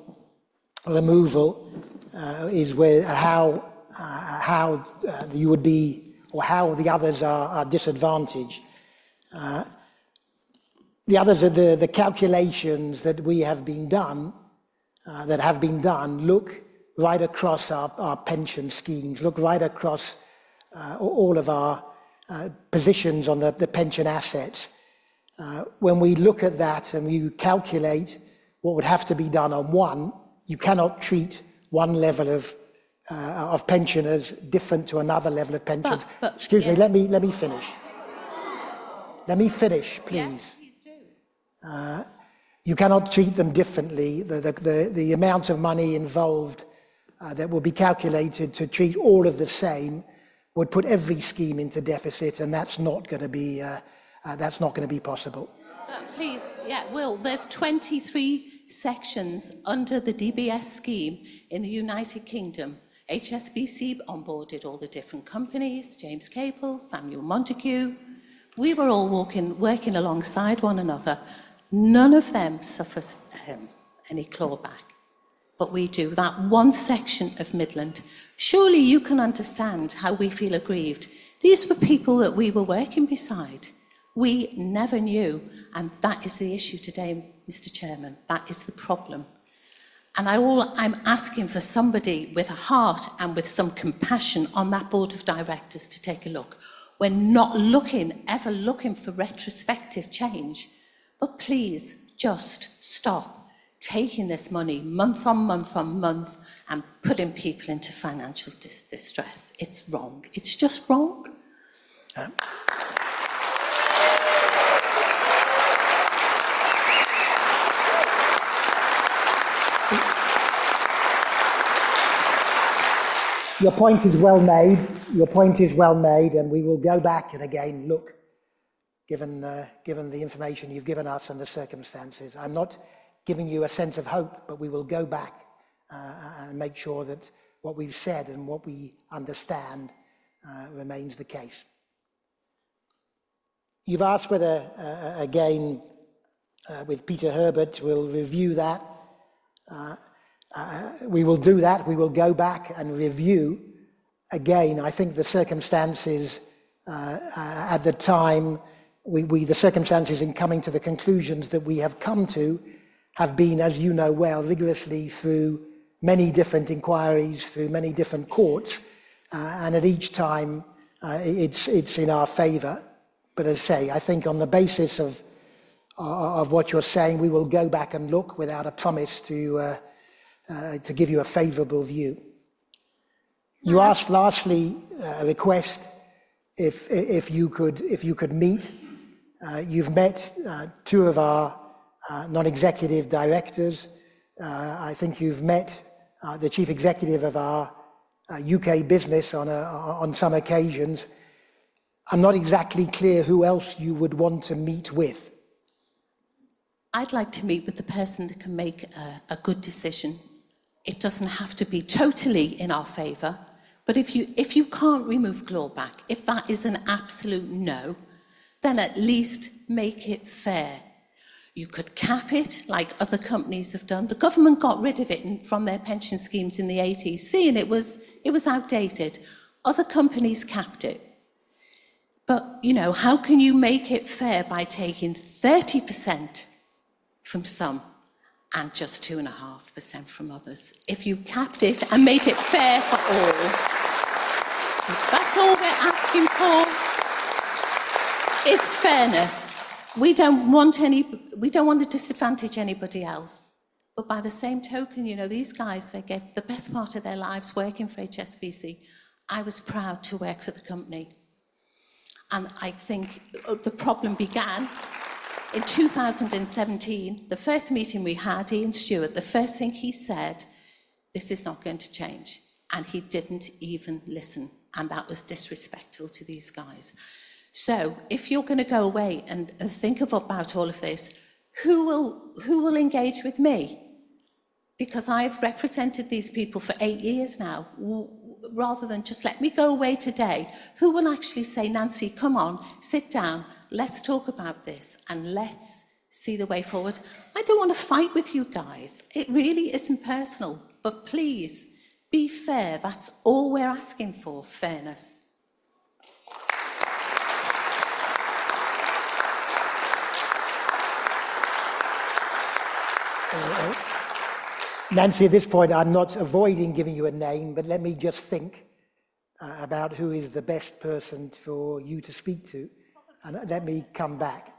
A: removal is how you would be or how the others are disadvantaged. The calculations that have been done look right across our pension schemes, look right across all of our positions on the pension assets. When we look at that and we calculate what would have to be done on one, you cannot treat one level of pensioners different to another level of pensioners. Excuse me, let me finish. Let me finish, please.
F: Yes, please do.
A: You cannot treat them differently. The amount of money involved that will be calculated to treat all of the same would put every scheme into deficit, and that's not going to be possible.
F: Please, yeah, will. There are 23 sections under the DBS scheme in the U.K. HSBC onboarded all the different companies, James Capel, Samuel Montague. We were all working alongside one another. None of them suffered any clawback. We do that one section of Midland. Surely you can understand how we feel aggrieved. These were people that we were working beside. We never knew. That is the issue today, Mr. Chairman. That is the problem. I am asking for somebody with a heart and with some compassion on that board of directors to take a look. We are not ever looking for retrospective change. Please just stop taking this money month on month on month and putting people into financial distress. It is wrong. It is just wrong.
A: Your point is well made. Your point is well made. We will go back and again look, given the information you've given us and the circumstances. I'm not giving you a sense of hope, but we will go back and make sure that what we've said and what we understand remains the case. You've asked whether, again, with Peter Herbert, we'll review that. We will do that. We will go back and review again. I think the circumstances at the time, the circumstances in coming to the conclusions that we have come to have been, as you know well, rigorously through many different inquiries, through many different courts. At each time, it's in our favor. I think on the basis of what you're saying, we will go back and look without a promise to give you a favorable view. You asked lastly, a request if you could meet. You've met two of our non-executive directors. I think you've met the Chief Executive of our U.K. business on some occasions. I'm not exactly clear who else you would want to meet with.
F: I'd like to meet with the person that can make a good decision. It doesn't have to be totally in our favor. If you can't remove clawback, if that is an absolute no, then at least make it fair. You could cap it like other companies have done. The government got rid of it from their pension schemes in the 1980s, seeing it was outdated. Other companies capped it. How can you make it fair by taking 30% from some and just 2.5% from others? If you capped it and made it fair for all, that's all we're asking for is fairness. We don't want to disadvantage anybody else. By the same token, you know these guys, they get the best part of their lives working for HSBC. I was proud to work for the company. I think the problem began in 2017. The first meeting we had, Ian Stewart, the first thing he said, this is not going to change. He did not even listen. That was disrespectful to these guys. If you are going to go away and think about all of this, who will engage with me? I have represented these people for eight years now. Rather than just let me go away today, who will actually say, Nancy, come on, sit down, let's talk about this and let's see the way forward? I do not want to fight with you guys. It really is not personal. Please be fair. That is all we are asking for, fairness.
A: Nancy, at this point, I'm not avoiding giving you a name, but let me just think about who is the best person for you to speak to. Let me come back.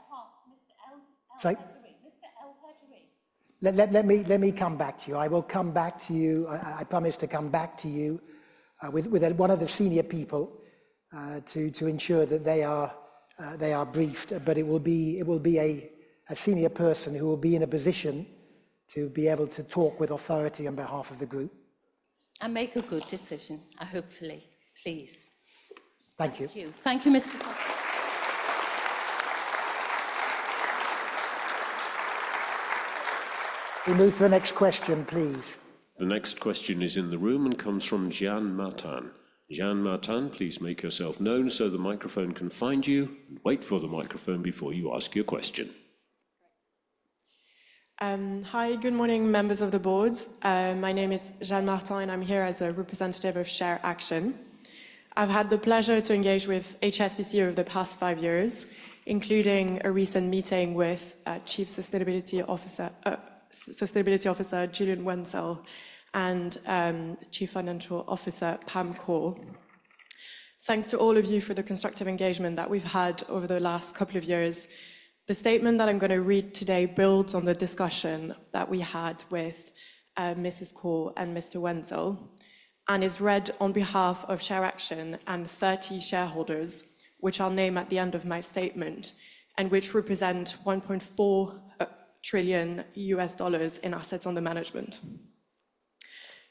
A: I will come back to you. I promise to come back to you with one of the senior people to ensure that they are briefed. It will be a senior person who will be in a position to be able to talk with authority on behalf of the group.
F: Make a good decision, hopefully. Please.
A: Thank you.
F: Thank you, Mr.
A: We move to the next question, please. The next question is in the room and comes from Jeanne Martin. Jeanne Martin, please make yourself known so the microphone can find you. Wait for the microphone before you ask your question.
G: Hi, good morning, members of the board. My name is Jeanne Martin, and I'm here as a representative of ShareAction. I've had the pleasure to engage with HSBC over the past five years, including a recent meeting with Chief Sustainability Officer Julian Wenzel and Chief Financial Officer Pam Kaur. Thanks to all of you for the constructive engagement that we've had over the last couple of years. The statement that I'm going to read today builds on the discussion that we had with Mrs. Kaur and Mr. Wenzel and is read on behalf of ShareAction and 30 shareholders, which I'll name at the end of my statement and which represent $1.4 trillion in assets under management.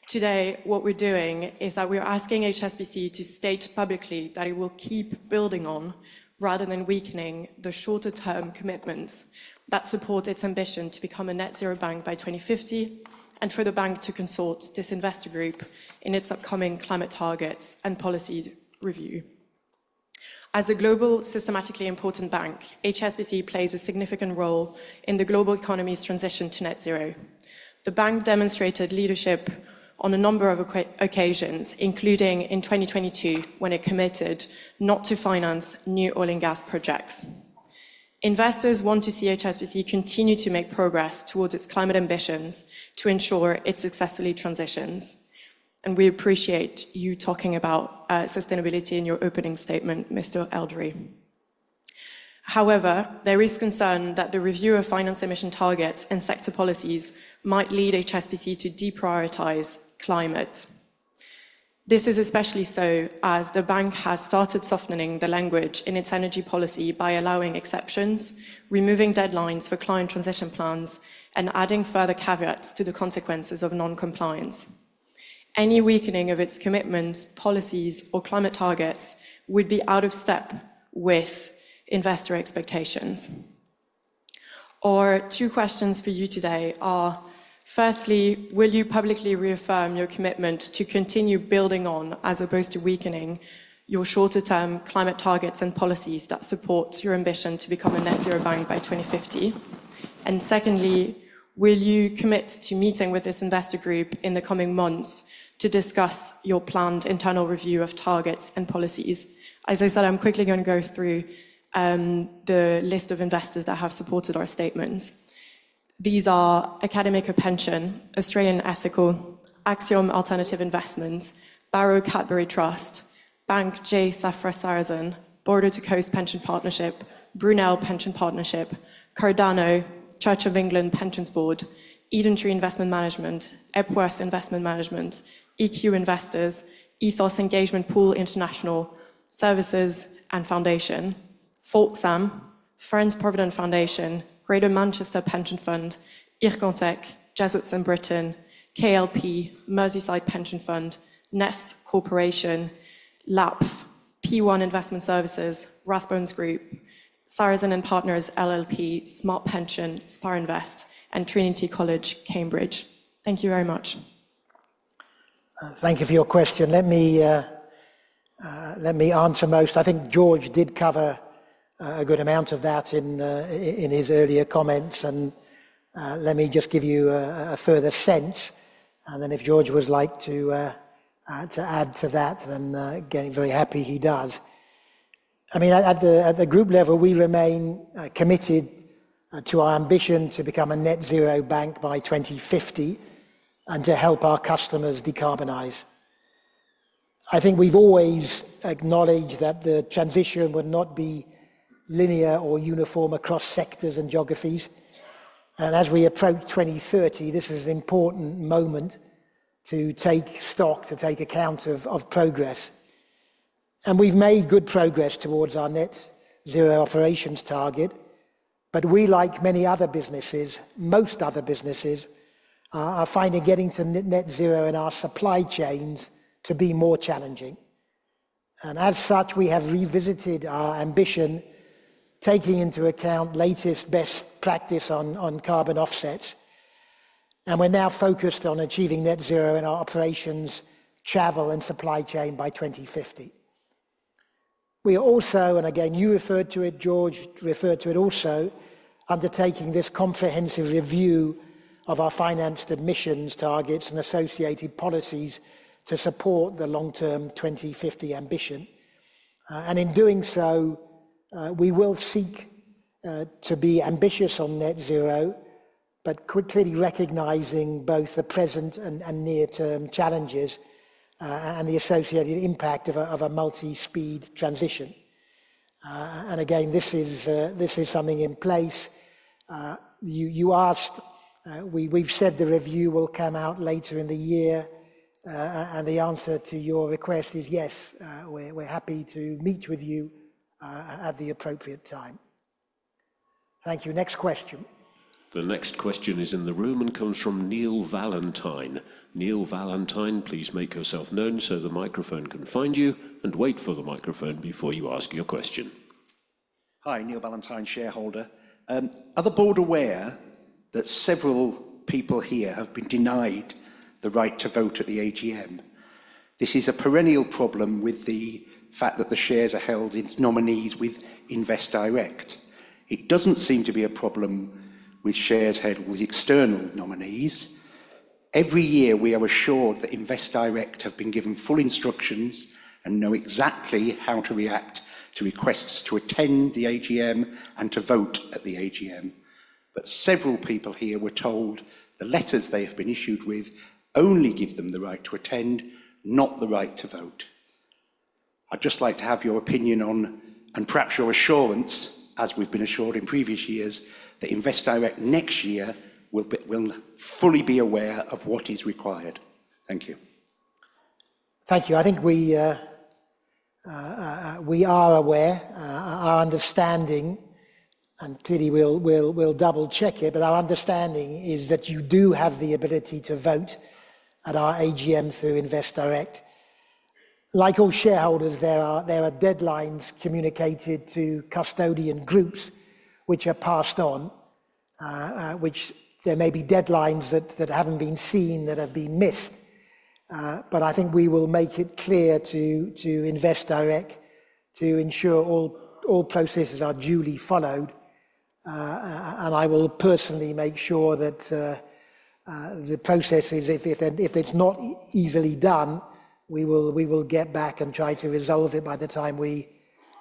G: Today, what we're doing is that we're asking HSBC to state publicly that it will keep building on rather than weakening the shorter-term commitments that support its ambition to become a net-zero bank by 2050 and for the bank to consult this investor group in its upcoming climate targets and policy review. As a global systemically important bank, HSBC plays a significant role in the global economy's transition to net-zero. The bank demonstrated leadership on a number of occasions, including in 2022 when it committed not to finance new oil and gas projects. Investors want to see HSBC continue to make progress towards its climate ambitions to ensure it successfully transitions. We appreciate you talking about sustainability in your opening statement, Mr. Elhedery. However, there is concern that the review of financed emission targets and sector policies might lead HSBC to deprioritize climate. This is especially so as the bank has started softening the language in its energy policy by allowing exceptions, removing deadlines for climate transition plans, and adding further caveats to the consequences of non-compliance. Any weakening of its commitments, policies, or climate targets would be out of step with investor expectations. Our two questions for you today are, firstly, will you publicly reaffirm your commitment to continue building on as opposed to weakening your shorter-term climate targets and policies that support your ambition to become a net-zero bank by 2050? Secondly, will you commit to meeting with this investor group in the coming months to discuss your planned internal review of targets and policies? As I said, I'm quickly going to go through the list of investors that have supported our statements. These are Academic of Pension, Australian Ethical, Axiom Alternative Investments, Barrow Cadbury Trust, Bank J. Safra-Sarrazin, Border to Coast Pension Partnership, Brunel Pension Partnership, Cardano, Church of England Pensions Board, EdenTree Investment Management, Epworth Investment Management, EQ Investors, Ethos Engagement Pool International, Services and Foundation, Forksam, Friends Provident Foundation, Greater Manchester Pension Fund, Ircontec, Jesuits in Britain, KLP, Merseyside Pension Fund, Nest Corporation, LAPF, P1 Investment Services, Rathbones Group, Sarrazin and Partners LLP, Smart Pension, Sparinvest, and Trinity College Cambridge. Thank you very much.
A: Thank you for your question. Let me answer most. I think Georges did cover a good amount of that in his earlier comments. Let me just give you a further sense. If Georges would like to add to that, I am very happy he does. I mean, at the group level, we remain committed to our ambition to become a net-zero bank by 2050 and to help our customers decarbonize. I think we have always acknowledged that the transition would not be linear or uniform across sectors and geographies. As we approach 2030, this is an important moment to take stock, to take account of progress. We have made good progress towards our net-zero operations target. We, like many other businesses, most other businesses, are finding getting to net-zero in our supply chains to be more challenging. As such, we have revisited our ambition, taking into account latest best practice on carbon offsets. We are now focused on achieving net-zero in our operations, travel, and supply chain by 2050. We are also, and again, you referred to it, George referred to it also, undertaking this comprehensive review of our financed emissions targets and associated policies to support the long-term 2050 ambition. In doing so, we will seek to be ambitious on net-zero, but clearly recognizing both the present and near-term challenges and the associated impact of a multi-speed transition. This is something in place. You asked, we have said the review will come out later in the year. The answer to your request is yes. We are happy to meet with you at the appropriate time. Thank you. Next question. The next question is in the room and comes from Neil Valentine. Neil Valentine, please make yourself known so the microphone can find you and wait for the microphone before you ask your question. Hi, Neil Valentine, shareholder. Are the board aware that several people here have been denied the right to vote at the AGM? This is a perennial problem with the fact that the shares are held in nominees with InvestDirect. It does not seem to be a problem with shares held with external nominees. Every year, we are assured that InvestDirect have been given full instructions and know exactly how to react to requests to attend the AGM and to vote at the AGM. Several people here were told the letters they have been issued with only give them the right to attend, not the right to vote. I would just like to have your opinion on, and perhaps your assurance, as we have been assured in previous years, that InvestDirect next year will fully be aware of what is required. Thank you. Thank you. I think we are aware. Our understanding, and clearly we'll double-check it, but our understanding is that you do have the ability to vote at our AGM through InvestDirect. Like all shareholders, there are deadlines communicated to custodian groups, which are passed on, which there may be deadlines that haven't been seen that have been missed. I think we will make it clear to InvestDirect to ensure all processes are duly followed. I will personally make sure that the processes, if it's not easily done, we will get back and try to resolve it by the time we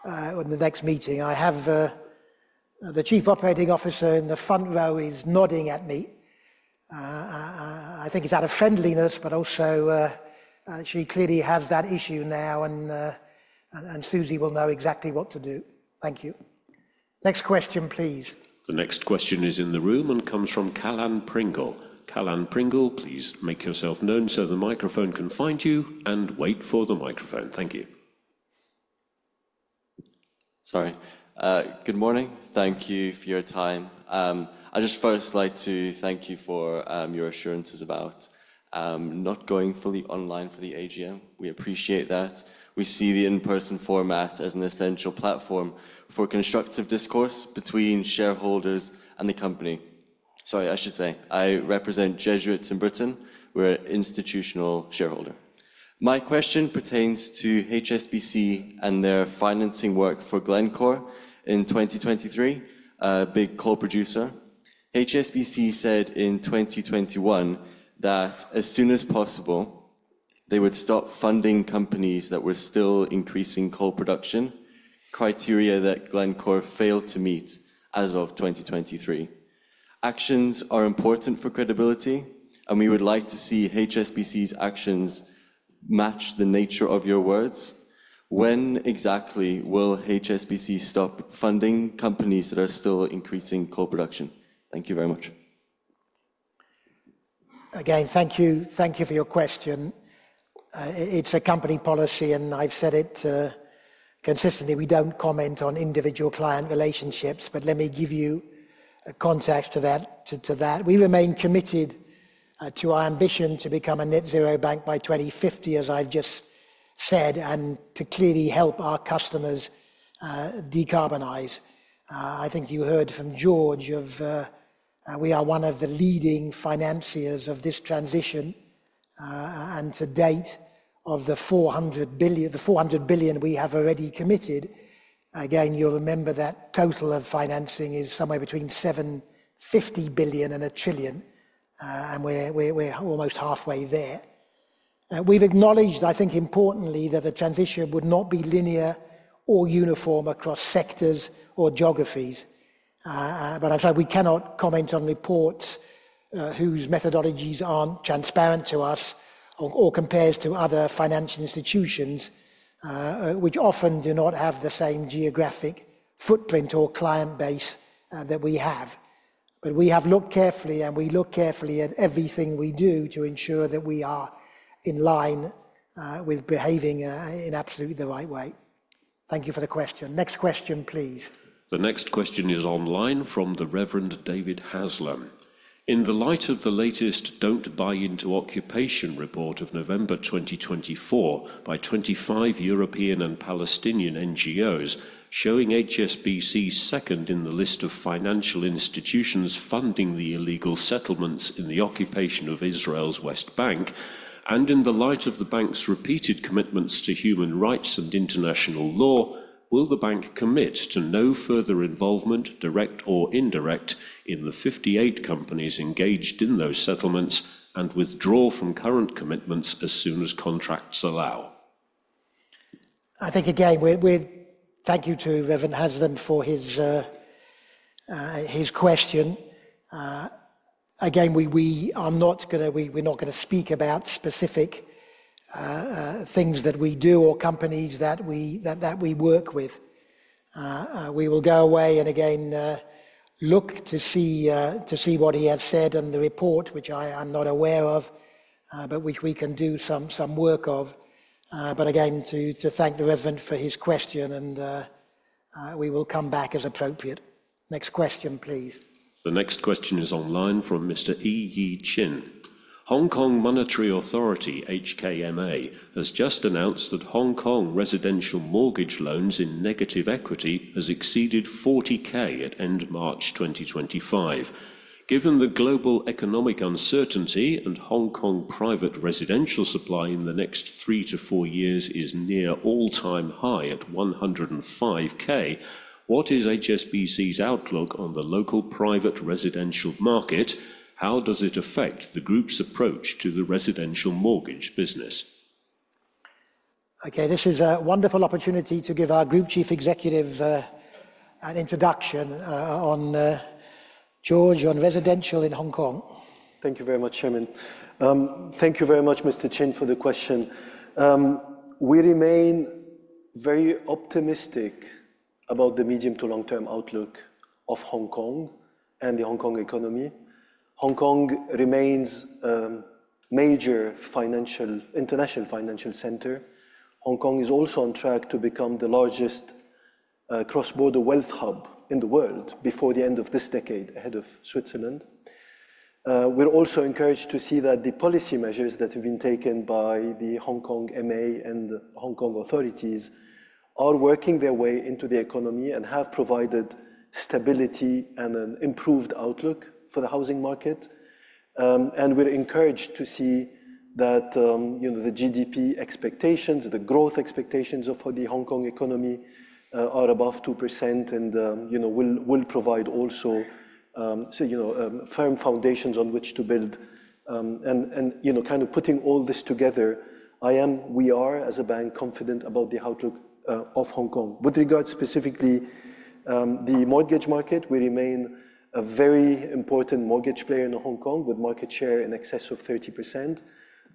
A: are in the next meeting. I have the Chief Operating Officer in the front row is nodding at me. I think it's out of friendliness, but also she clearly has that issue now. Susie will know exactly what to do. Thank you. Next question, please. The next question is in the room and comes from Callan Pringle. Callan Pringle, please make yourself known so the microphone can find you and wait for the microphone. Thank you. Sorry. Good morning. Thank you for your time. I just first like to thank you for your assurances about not going fully online for the AGM. We appreciate that. We see the in-person format as an essential platform for constructive discourse between shareholders and the company. Sorry, I should say I represent Jesuits in Britain. We're an institutional shareholder. My question pertains to HSBC and their financing work for Glencore in 2023, a big coal producer. HSBC said in 2021 that as soon as possible, they would stop funding companies that were still increasing coal production, criteria that Glencore failed to meet as of 2023. Actions are important for credibility, and we would like to see HSBC's actions match the nature of your words. When exactly will HSBC stop funding companies that are still increasing coal production? Thank you very much. Again, thank you for your question. It's a company policy, and I've said it consistently. We don't comment on individual client relationships, but let me give you a context to that. We remain committed to our ambition to become a net-zero bank by 2050, as I've just said, and to clearly help our customers decarbonize. I think you heard from Georges. We are one of the leading financiers of this transition. To date, of the $400 billion we have already committed, again, you'll remember that total of financing is somewhere between $750 billion and $1 trillion. We're almost halfway there. We've acknowledged, I think importantly, that the transition would not be linear or uniform across sectors or geographies. I've said we cannot comment on reports whose methodologies aren't transparent to us or compared to other financial institutions, which often do not have the same geographic footprint or client base that we have. We have looked carefully, and we look carefully at everything we do to ensure that we are in line with behaving in absolutely the right way. Thank you for the question. Next question, please.
E: The next question is online from the Reverend David Haslam. In the light of the latest Don't Buy into Occupation report of November 2024 by 25 European and Palestinian NGOs showing HSBC second in the list of financial institutions funding the illegal settlements in the occupation of Israel's West Bank, and in the light of the bank's repeated commitments to human rights and international law, will the bank commit to no further involvement, direct or indirect, in the 58 companies engaged in those settlements and withdraw from current commitments as soon as contracts allow?
A: I think, again, thank you to Reverend Haslam for his question. Again, we are not going to speak about specific things that we do or companies that we work with. We will go away and again look to see what he has said and the report, which I'm not aware of, but which we can do some work of. Again, thank the Reverend for his question, and we will come back as appropriate. Next question, please.
E: The next question is online from Mr. E. Yi Chin. Hong Kong Monetary Authority, HKMA, has just announced that Hong Kong residential mortgage loans in negative equity has exceeded 40,000 at end March 2025. Given the global economic uncertainty and Hong Kong private residential supply in the next three to four years is near all-time high at 105,000, what is HSBC's outlook on the local private residential market? How does it affect the group's approach to the residential mortgage business?
A: Okay, this is a wonderful opportunity to give our Group Chief Executive an introduction on Georges, on residential in Hong Kong.
C: Thank you very much, Chairman. Thank you very much, Mr. Chin, for the question. We remain very optimistic about the medium to long-term outlook of Hong Kong and the Hong Kong economy. Hong Kong remains a major international financial center. Hong Kong is also on track to become the largest cross-border wealth hub in the world before the end of this decade, ahead of Switzerland. We are also encouraged to see that the policy measures that have been taken by the Hong Kong MA and Hong Kong authorities are working their way into the economy and have provided stability and an improved outlook for the housing market. We are encouraged to see that the GDP expectations, the growth expectations for the Hong Kong economy are above 2% and will provide also firm foundations on which to build. Kind of putting all this together, I am, we are as a bank confident about the outlook of Hong Kong. With regards specifically to the mortgage market, we remain a very important mortgage player in Hong Kong with a market share in excess of 30%.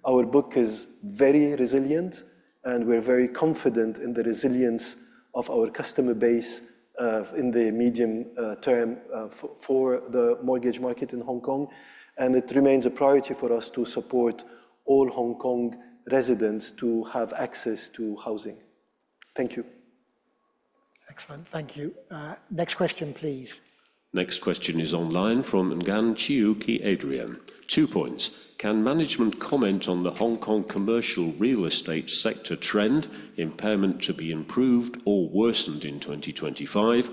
C: Our book is very resilient, and we're very confident in the resilience of our customer base in the medium term for the mortgage market in Hong Kong. It remains a priority for us to support all Hong Kong residents to have access to housing. Thank you.
A: Excellent. Thank you. Next question, please.
E: Next question is online from Ngann Chiu Ki Adrian. Two points. Can management comment on the Hong Kong commercial real estate sector trend, impairment to be improved or worsened in 2025?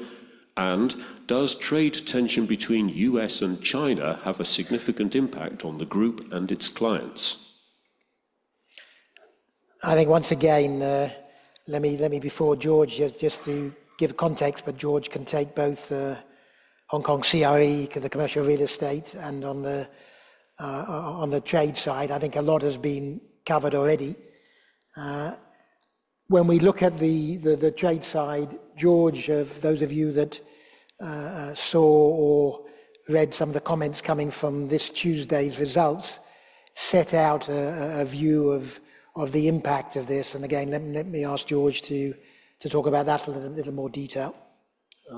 E: Does trade tension between the U.S. and China have a significant impact on the group and its clients?
A: I think once again, let me, before George, just to give context, but George can take both Hong Kong CRE, the commercial real estate, and on the trade side, I think a lot has been covered already. When we look at the trade side, George, those of you that saw or read some of the comments coming from this Tuesday's results set out a view of the impact of this. Let me ask George to talk about that in a little more detail.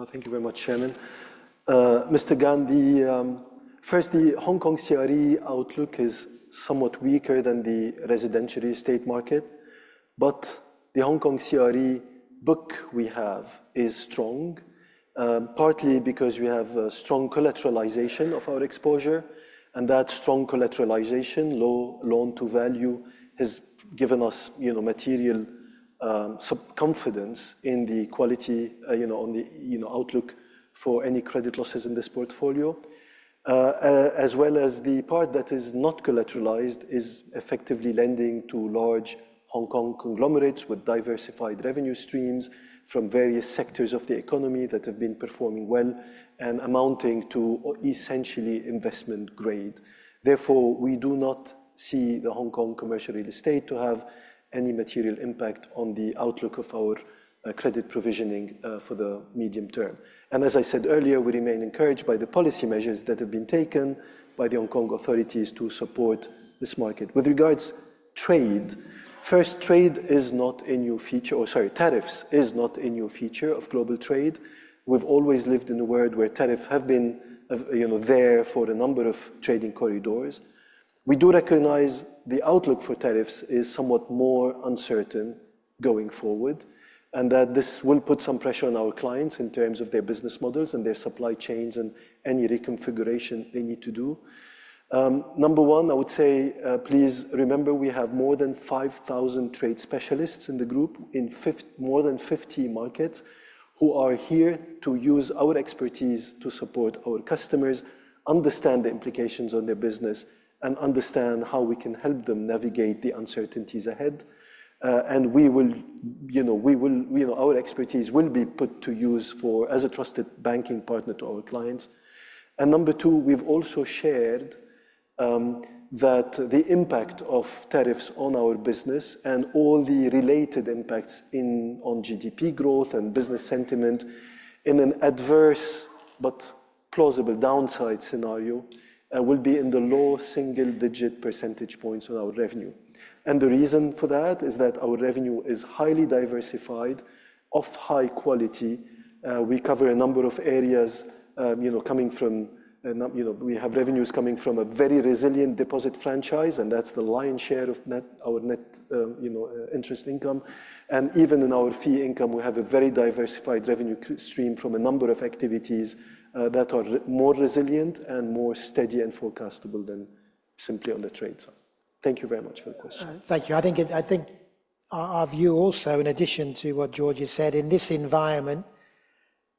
C: Thank you very much, Chairman. Mr. Gandhi, first, the Hong Kong CRE outlook is somewhat weaker than the residential estate market. The Hong Kong CRE book we have is strong, partly because we have a strong collateralization of our exposure. That strong collateralization, low loan-to-value, has given us material confidence in the quality on the outlook for any credit losses in this portfolio. As well as the part that is not collateralized is effectively lending to large Hong Kong conglomerates with diversified revenue streams from various sectors of the economy that have been performing well and amounting to essentially investment grade. Therefore, we do not see the Hong Kong commercial real estate to have any material impact on the outlook of our credit provisioning for the medium term. As I said earlier, we remain encouraged by the policy measures that have been taken by the Hong Kong authorities to support this market. With regards to trade, first, tariffs is not a new feature of global trade. We've always lived in a world where tariffs have been there for a number of trading corridors. We do recognize the outlook for tariffs is somewhat more uncertain going forward and that this will put some pressure on our clients in terms of their business models and their supply chains and any reconfiguration they need to do. Number one, I would say, please remember we have more than 5,000 trade specialists in the group in more than 50 markets who are here to use our expertise to support our customers, understand the implications on their business, and understand how we can help them navigate the uncertainties ahead. Our expertise will be put to use as a trusted banking partner to our clients. Number two, we've also shared that the impact of tariffs on our business and all the related impacts on GDP growth and business sentiment in an adverse but plausible downside scenario will be in the low single-digit percentage points on our revenue. The reason for that is that our revenue is highly diversified, of high quality. We cover a number of areas coming from, we have revenues coming from a very resilient deposit franchise, and that's the lion's share of our net interest income. Even in our fee income, we have a very diversified revenue stream from a number of activities that are more resilient and more steady and forecastable than simply on the trade side. Thank you very much for the question.
A: Thank you. I think our view also, in addition to what Georges has said, in this environment,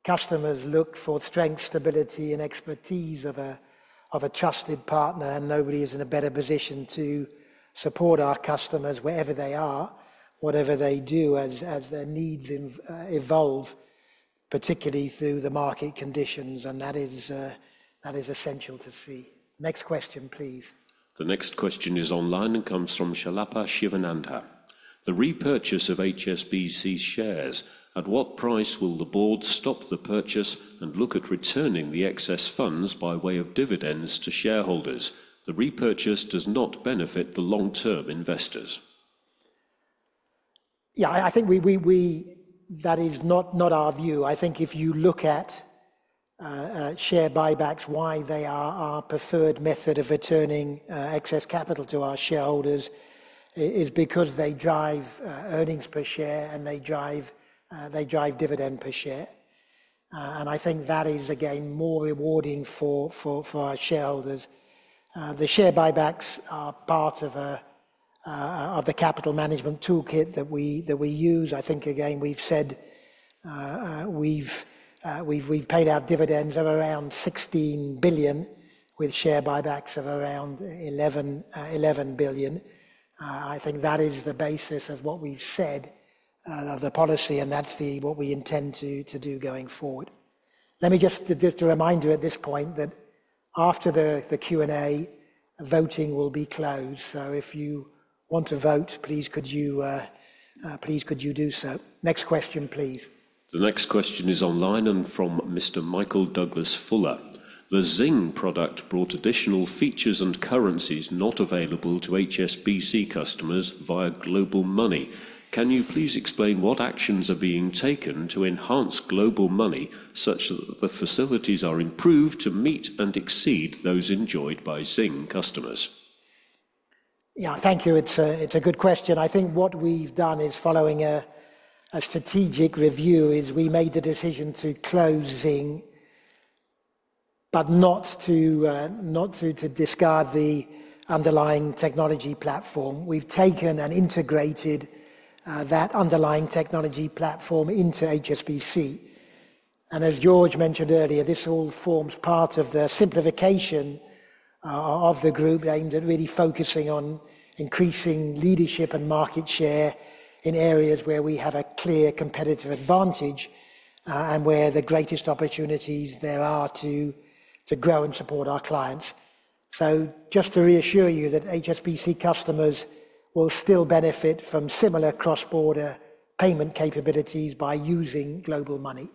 A: customers look for strength, stability, and expertise of a trusted partner, and nobody is in a better position to support our customers wherever they are, whatever they do as their needs evolve, particularly through the market conditions. That is essential to see. Next question, please.
E: The next question is online and comes from Shalapa Shivanandha. The repurchase of HSBC's shares, at what price will the board stop the purchase and look at returning the excess funds by way of dividends to shareholders? The repurchase does not benefit the long-term investors.
A: Yeah, I think that is not our view. I think if you look at share buybacks, why they are our preferred method of returning excess capital to our shareholders is because they drive earnings per share and they drive dividend per share. I think that is, again, more rewarding for our shareholders. The share buybacks are part of the capital management toolkit that we use. I think, again, we've said we've paid out dividends of around $16 billion with share buybacks of around $11 billion. I think that is the basis of what we've said of the policy, and that's what we intend to do going forward. Let me just remind you at this point that after the Q&A, voting will be closed. If you want to vote, please, please could you do so. Next question, please.
E: The next question is online and from Mr. Michael Douglas Fuller. The Zing product brought additional features and currencies not available to HSBC customers via Global Money. Can you please explain what actions are being taken to enhance Global Money such that the facilities are improved to meet and exceed those enjoyed by Zing customers?
A: Yeah, thank you. It's a good question. I think what we've done is following a strategic review as we made the decision to close Zing, but not to discard the underlying technology platform. We've taken and integrated that underlying technology platform into HSBC. As George mentioned earlier, this all forms part of the simplification of the group aimed at really focusing on increasing leadership and market share in areas where we have a clear competitive advantage and where the greatest opportunities there are to grow and support our clients. Just to reassure you that HSBC customers will still benefit from similar cross-border payment capabilities by using Global Money.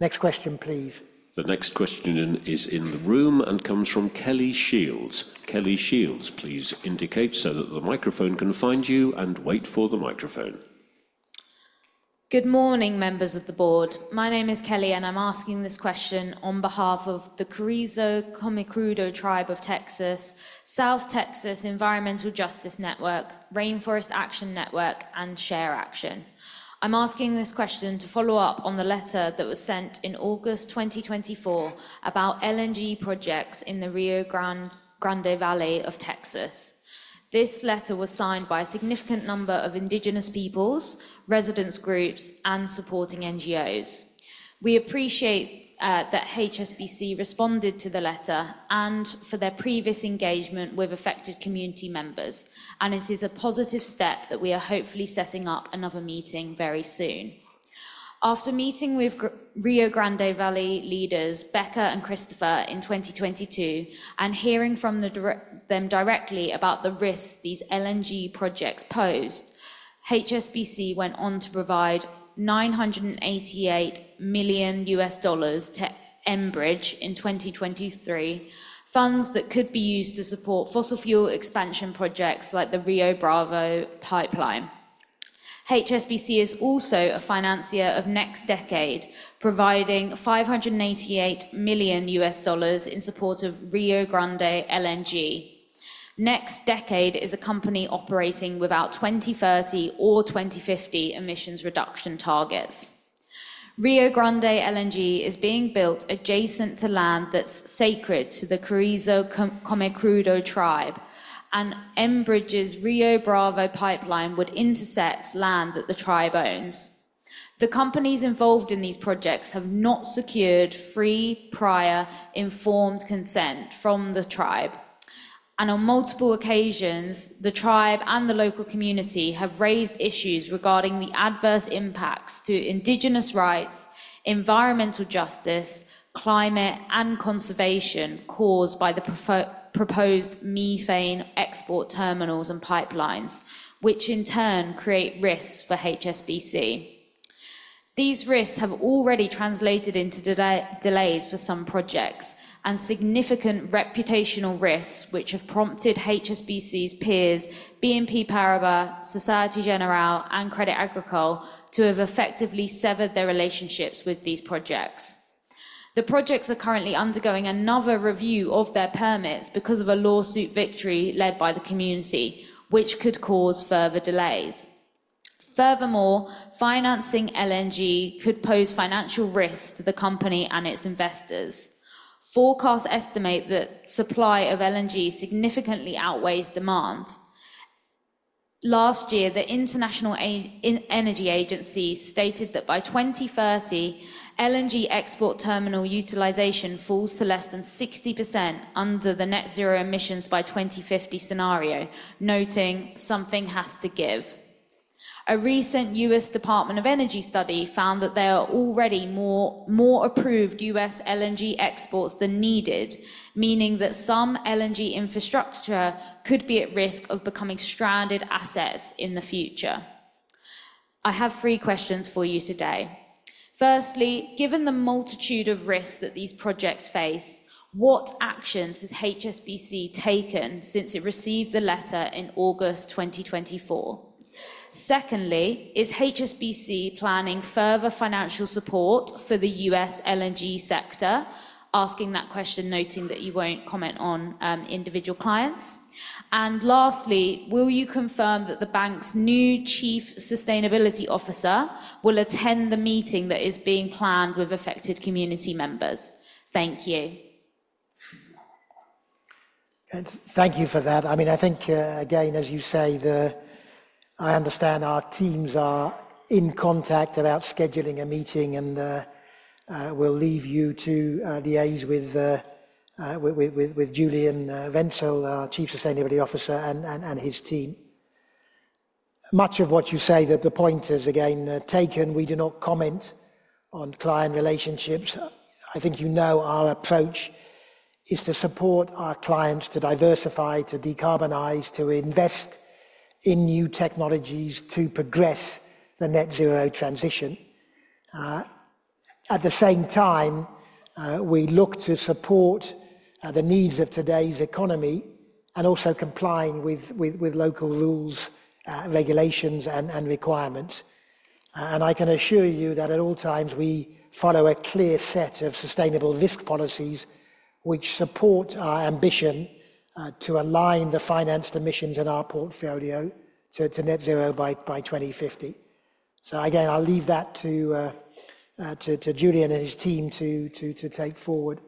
A: Next question, please.
E: The next question is in the room and comes from Kelly Shields. Kelly Shields, please indicate so that the microphone can find you and wait for the microphone.
H: Good morning, members of the board. My name is Kelly, and I'm asking this question on behalf of the Carrizo Comecrudo Tribe of Texas, South Texas Environmental Justice Network, Rainforest Action Network, and ShareAction. I'm asking this question to follow up on the letter that was sent in August 2024 about LNG projects in the Rio Grande Valley of Texas. This letter was signed by a significant number of indigenous peoples, residents' groups, and supporting NGOs. We appreciate that HSBC responded to the letter and for their previous engagement with affected community members, and it is a positive step that we are hopefully setting up another meeting very soon. After meeting with Rio Grande Valley leaders, Becca and Christopher in 2022, and hearing from them directly about the risks these LNG projects posed, HSBC went on to provide $988 million to Enbridge in 2023, funds that could be used to support fossil fuel expansion projects like the Rio Bravo pipeline. HSBC is also a financier of NextDecade, providing $588 million in support of Rio Grande LNG. NextDecade is a company operating without 2030 or 2050 emissions reduction targets. Rio Grande LNG is being built adjacent to land that's sacred to the Carrizo Comecrudo Tribe, and Enbridge's Rio Bravo pipeline would intersect land that the tribe owns. The companies involved in these projects have not secured free, prior, informed consent from the tribe. On multiple occasions, the tribe and the local community have raised issues regarding the adverse impacts to indigenous rights, environmental justice, climate, and conservation caused by the proposed methane export terminals and pipelines, which in turn create risks for HSBC. These risks have already translated into delays for some projects and significant reputational risks, which have prompted HSBC's peers, BNP Paribas, Société Générale, and Credit Agricole, to have effectively severed their relationships with these projects. The projects are currently undergoing another review of their permits because of a lawsuit victory led by the community, which could cause further delays. Furthermore, financing LNG could pose financial risks to the company and its investors. Forecasts estimate that supply of LNG significantly outweighs demand. Last year, the International Energy Agency stated that by 2030, LNG export terminal utilization falls to less than 60% under the net zero emissions by 2050 scenario, noting something has to give. A recent U.S. Department of Energy study found that there are already more approved U.S. LNG exports than needed, meaning that some LNG infrastructure could be at risk of becoming stranded assets in the future. I have three questions for you today. Firstly, given the multitude of risks that these projects face, what actions has HSBC taken since it received the letter in August 2024? Secondly, is HSBC planning further financial support for the U.S. LNG sector? Asking that question, noting that you won't comment on individual clients. Lastly, will you confirm that the bank's new Chief Sustainability Officer will attend the meeting that is being planned with affected community members? Thank you.
A: Thank you for that. I mean, I think, again, as you say, I understand our teams are in contact about scheduling a meeting, and we'll leave you to liaise with Julian Wenzel, our Chief Sustainability Officer, and his team. Much of what you say, that the point is again taken, we do not comment on client relationships. I think you know our approach is to support our clients to diversify, to decarbonize, to invest in new technologies to progress the net zero transition. At the same time, we look to support the needs of today's economy and also complying with local rules, regulations, and requirements. I can assure you that at all times, we follow a clear set of sustainable risk policies which support our ambition to align the financed emissions in our portfolio to net zero by 2050. I'll leave that to Julian and his team to take forward.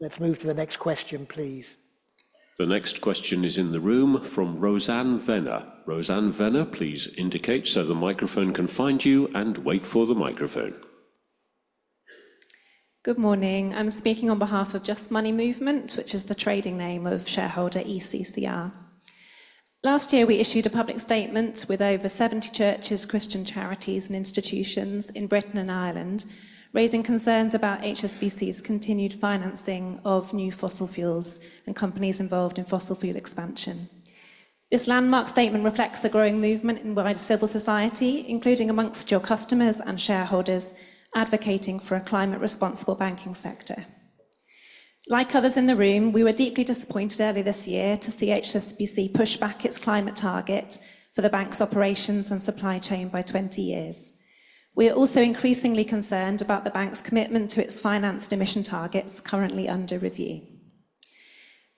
A: Let's move to the next question, please. The next question is in the room from Rosanne Venner. Rosanne Venner, please indicate so the microphone can find you and wait for the microphone.
I: Good morning. I'm speaking on behalf of JustMoney Movement, which is the trading name of shareholder ECCR. Last year, we issued a public statement with over 70 churches, Christian charities, and institutions in Britain and Ireland, raising concerns about HSBC's continued financing of new fossil fuels and companies involved in fossil fuel expansion. This landmark statement reflects the growing movement in wider civil society, including amongst your customers and shareholders advocating for a climate-responsible banking sector. Like others in the room, we were deeply disappointed early this year to see HSBC push back its climate target for the bank's operations and supply chain by 20 years. We are also increasingly concerned about the bank's commitment to its financed emission targets currently under review.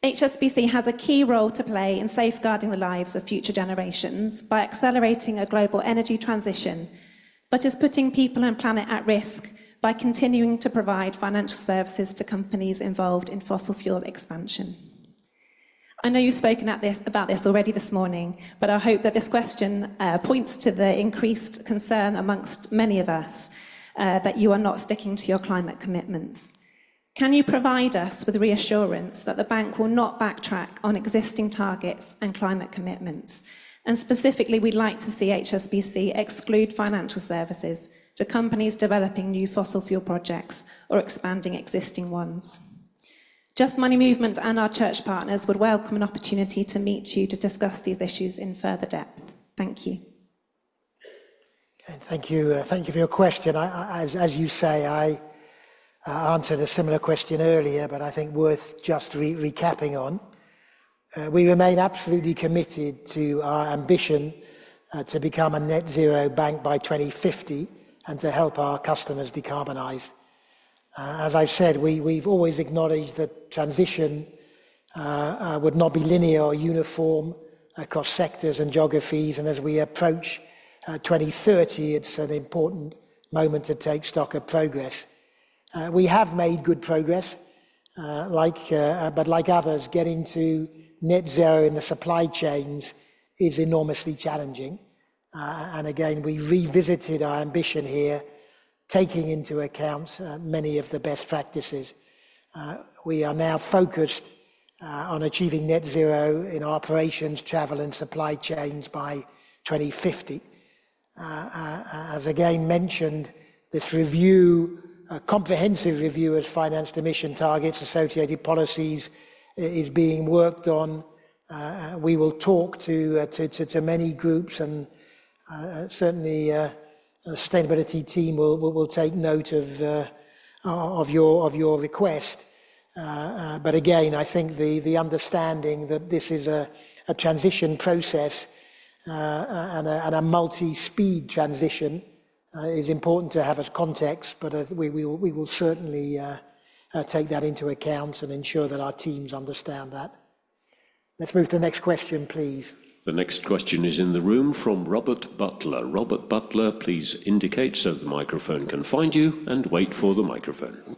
I: HSBC has a key role to play in safeguarding the lives of future generations by accelerating a global energy transition, but is putting people and planet at risk by continuing to provide financial services to companies involved in fossil fuel expansion. I know you've spoken about this already this morning, but I hope that this question points to the increased concern amongst many of us that you are not sticking to your climate commitments. Can you provide us with reassurance that the bank will not backtrack on existing targets and climate commitments? Specifically, we'd like to see HSBC exclude financial services to companies developing new fossil fuel projects or expanding existing ones. Just Money Movement and our church partners would welcome an opportunity to meet you to discuss these issues in further depth. Thank you.
A: Okay, thank you for your question. As you say, I answered a similar question earlier, but I think worth just recapping on. We remain absolutely committed to our ambition to become a net zero bank by 2050 and to help our customers decarbonize. As I've said, we've always acknowledged that transition would not be linear or uniform across sectors and geographies, and as we approach 2030, it's an important moment to take stock of progress. We have made good progress, but like others, getting to net zero in the supply chains is enormously challenging. Again, we revisited our ambition here, taking into account many of the best practices. We are now focused on achieving net zero in operations, travel, and supply chains by 2050. As again mentioned, this review, a comprehensive review as financed emission targets, associated policies is being worked on. We will talk to many groups, and certainly the sustainability team will take note of your request. Again, I think the understanding that this is a transition process and a multi-speed transition is important to have as context, but we will certainly take that into account and ensure that our teams understand that. Let's move to the next question, please.
E: The next question is in the room from Robert Butler. Robert Butler, please indicate so the microphone can find you and wait for the microphone.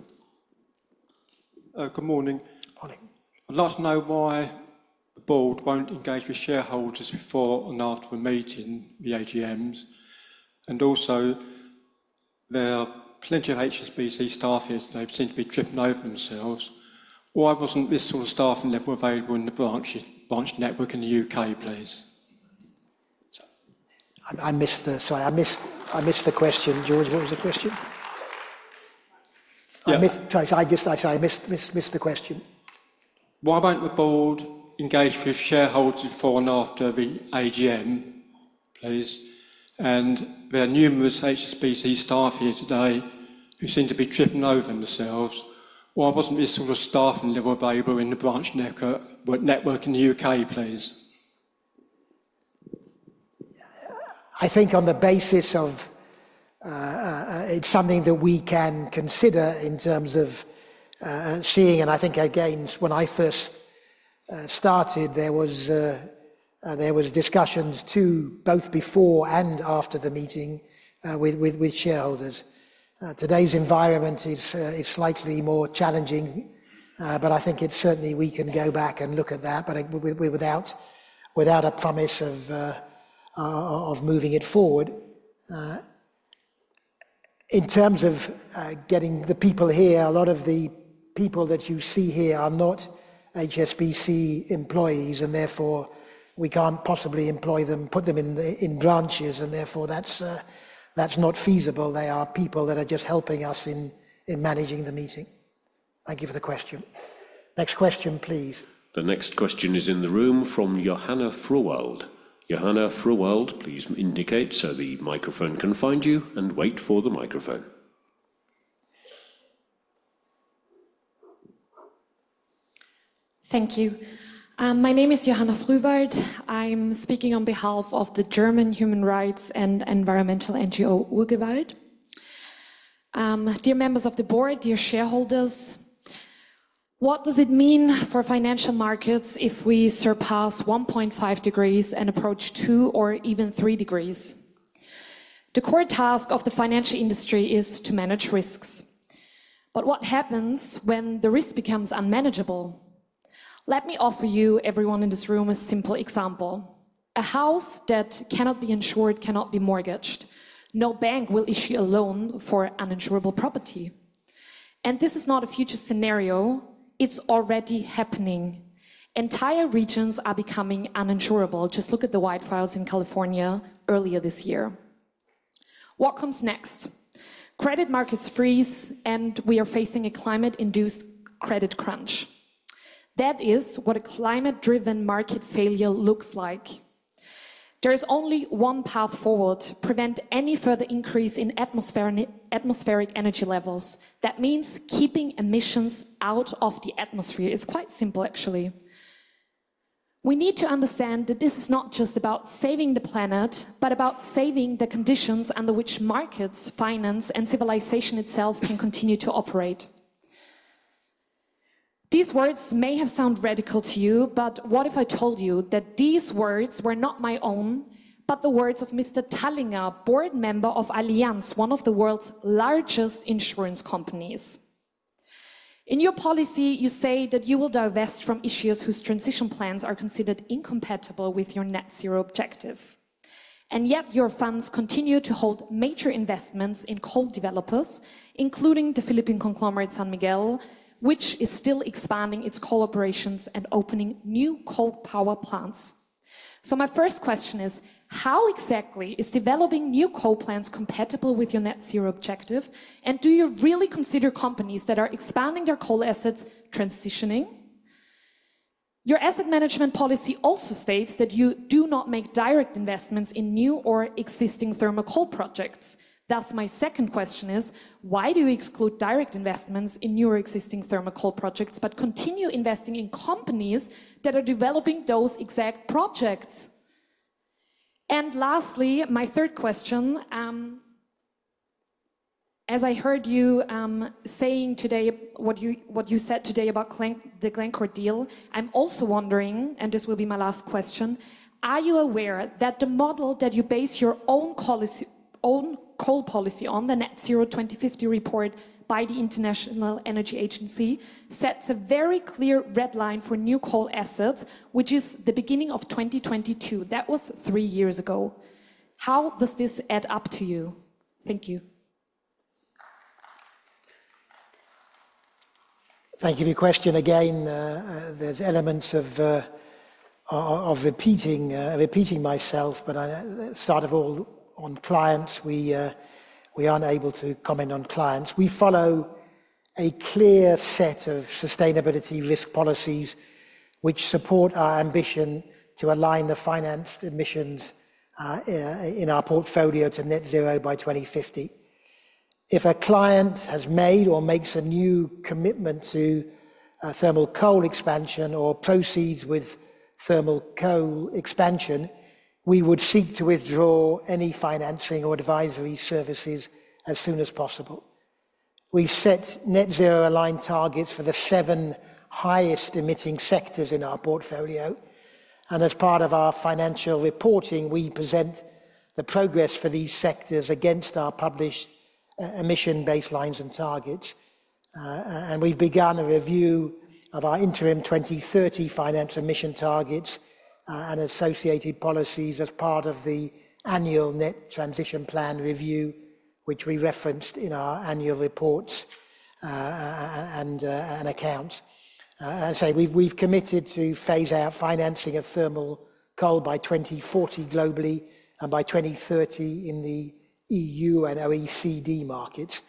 E: Good morning. I'd like to know why the board won't engage with shareholders before and after the meeting, the AGMs. Also, there are plenty of HSBC staff here today who seem to be tripping over themselves. Why wasn't this sort of staffing level available in the branch network in the U.K., please?
A: I missed the question. George, what was the question? Sorry, I missed the question. Why won't the board engage with shareholders before and after the AGM, please? There are numerous HSBC staff here today who seem to be tripping over themselves. Why wasn't this sort of staffing level available in the branch network in the U.K., please? I think on the basis of it's something that we can consider in terms of seeing, and I think again, when I first started, there were discussions too, both before and after the meeting with shareholders. Today's environment is slightly more challenging, but I think certainly we can go back and look at that, but without a promise of moving it forward. In terms of getting the people here, a lot of the people that you see here are not HSBC employees, and therefore we can't possibly employ them, put them in branches, and therefore that's not feasible. They are people that are just helping us in managing the meeting. Thank you for the question. Next question, please.
E: The next question is in the room from Johanna Fruwald. Johanna Frwald, please indicate so the microphone can find you and wait for the microphone.
J: Thank you. My name is Johanna Früwald. I'm speaking on behalf of the German Human Rights and Environmental NGO Urgewald. Dear members of the board, dear shareholders, what does it mean for financial markets if we surpass 1.5 degrees and approach 2 or even 3 degrees? The core task of the financial industry is to manage risks. What happens when the risk becomes unmanageable? Let me offer you, everyone in this room, a simple example. A house that cannot be insured cannot be mortgaged. No bank will issue a loan for uninsurable property. This is not a future scenario. It's already happening. Entire regions are becoming uninsurable. Just look at the wildfires in California earlier this year. What comes next? Credit markets freeze, and we are facing a climate-induced credit crunch. That is what a climate-driven market failure looks like. There is only one path forward: prevent any further increase in atmospheric energy levels. That means keeping emissions out of the atmosphere. It's quite simple, actually. We need to understand that this is not just about saving the planet, but about saving the conditions under which markets, finance, and civilization itself can continue to operate. These words may have sounded radical to you, but what if I told you that these words were not my own, but the words of Mr. Tallinger, board member of Allianz, one of the world's largest insurance companies? In your policy, you say that you will divest from issuers whose transition plans are considered incompatible with your net zero objective. Yet your funds continue to hold major investments in coal developers, including the Philippine conglomerate San Miguel, which is still expanding its coal operations and opening new coal power plants. My first question is, how exactly is developing new coal plants compatible with your net zero objective? Do you really consider companies that are expanding their coal assets transitioning? Your asset management policy also states that you do not make direct investments in new or existing thermal coal projects. Thus, my second question is, why do you exclude direct investments in new or existing thermal coal projects but continue investing in companies that are developing those exact projects? Lastly, my third question, as I heard you saying today what you said today about the Glencore deal, I'm also wondering, and this will be my last question, are you aware that the model that you base your own coal policy on, the Net Zero 2050 report by the International Energy Agency, sets a very clear red line for new coal assets, which is the beginning of 2022? That was three years ago. How does this add up to you? Thank you.
A: Thank you for your question again. There are elements of repeating myself, but I started all on clients. We are not able to comment on clients. We follow a clear set of sustainability risk policies which support our ambition to align the financed emissions in our portfolio to net zero by 2050. If a client has made or makes a new commitment to thermal coal expansion or proceeds with thermal coal expansion, we would seek to withdraw any financing or advisory services as soon as possible. We set net zero aligned targets for the seven highest emitting sectors in our portfolio. As part of our financial reporting, we present the progress for these sectors against our published emission baselines and targets. We have begun a review of our interim 2030 finance emission targets and associated policies as part of the annual net transition plan review, which we referenced in our annual reports and accounts. As I say, we have committed to phase out financing of thermal coal by 2040 globally and by 2030 in the EU and OECD markets.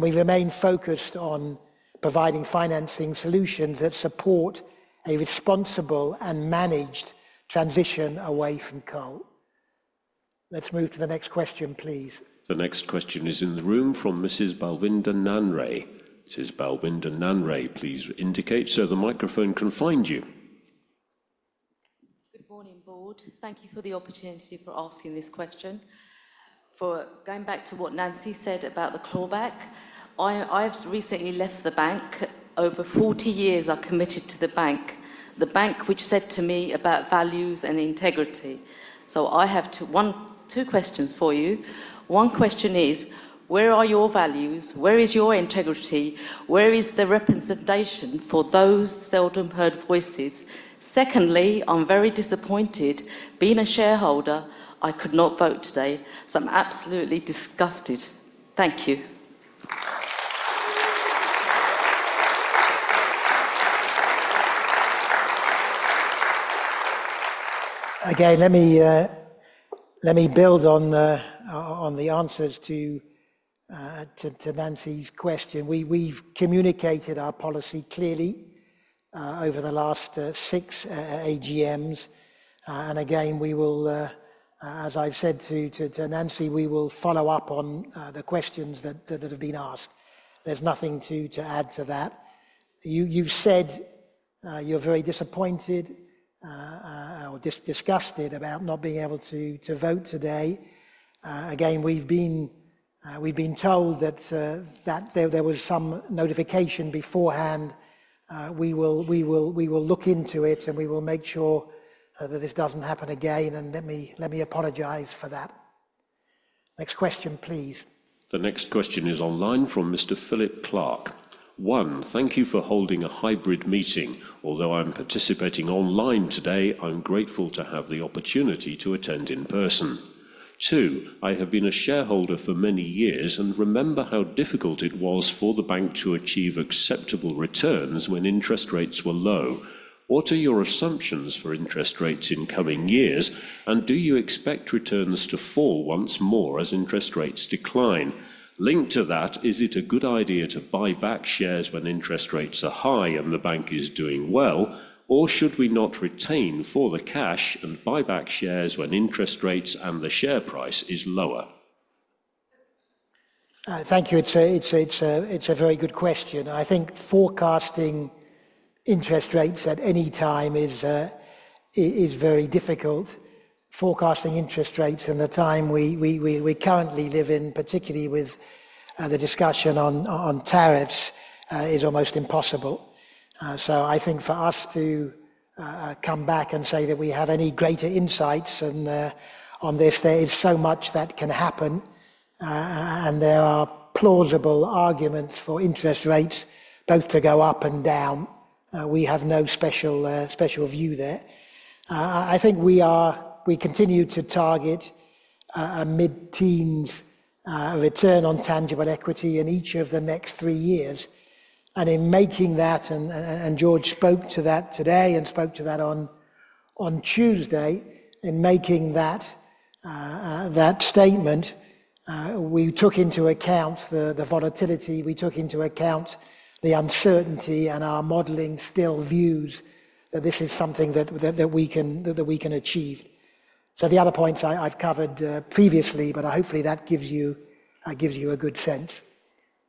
A: We remain focused on providing financing solutions that support a responsible and managed transition away from coal. Let's move to the next question, please.
E: The next question is in the room from Mrs. Balwinda Nannray. Mrs. Balwinda Nannray, please indicate so the microphone can find you. Good morning, board. Thank you for the opportunity for asking this question. Going back to what Nancy said about the clawback, I've recently left the bank. Over 40 years, I committed to the bank, the bank which said to me about values and integrity. I have two questions for you. One question is, where are your values? Where is your integrity? Where is the representation for those seldom heard voices? Secondly, I'm very disappointed. Being a shareholder, I could not vote today. I'm absolutely disgusted. Thank you.
A: Again, let me build on the answers to Nancy's question. We have communicated our policy clearly over the last six AGMs. As I have said to Nancy, we will follow up on the questions that have been asked. There is nothing to add to that. You have said you are very disappointed or disgusted about not being able to vote today. We have been told that there was some notification beforehand. We will look into it, and we will make sure that this does not happen again. Let me apologize for that. Next question, please.
E: The next question is online from Mr. Philip Clark. One, thank you for holding a hybrid meeting. Although I'm participating online today, I'm grateful to have the opportunity to attend in person. Two, I have been a shareholder for many years and remember how difficult it was for the bank to achieve acceptable returns when interest rates were low. What are your assumptions for interest rates in coming years, and do you expect returns to fall once more as interest rates decline? Linked to that, is it a good idea to buy back shares when interest rates are high and the bank is doing well, or should we not retain for the cash and buy back shares when interest rates and the share price is lower?
A: Thank you. It's a very good question. I think forecasting interest rates at any time is very difficult. Forecasting interest rates in the time we currently live in, particularly with the discussion on tariffs, is almost impossible. I think for us to come back and say that we have any greater insights on this, there is so much that can happen, and there are plausible arguments for interest rates both to go up and down. We have no special view there. I think we continue to target a mid-teens return on tangible equity in each of the next three years. In making that, and George spoke to that today and spoke to that on Tuesday, in making that statement, we took into account the volatility, we took into account the uncertainty, and our modeling still views that this is something that we can achieve. The other points I've covered previously, but hopefully that gives you a good sense.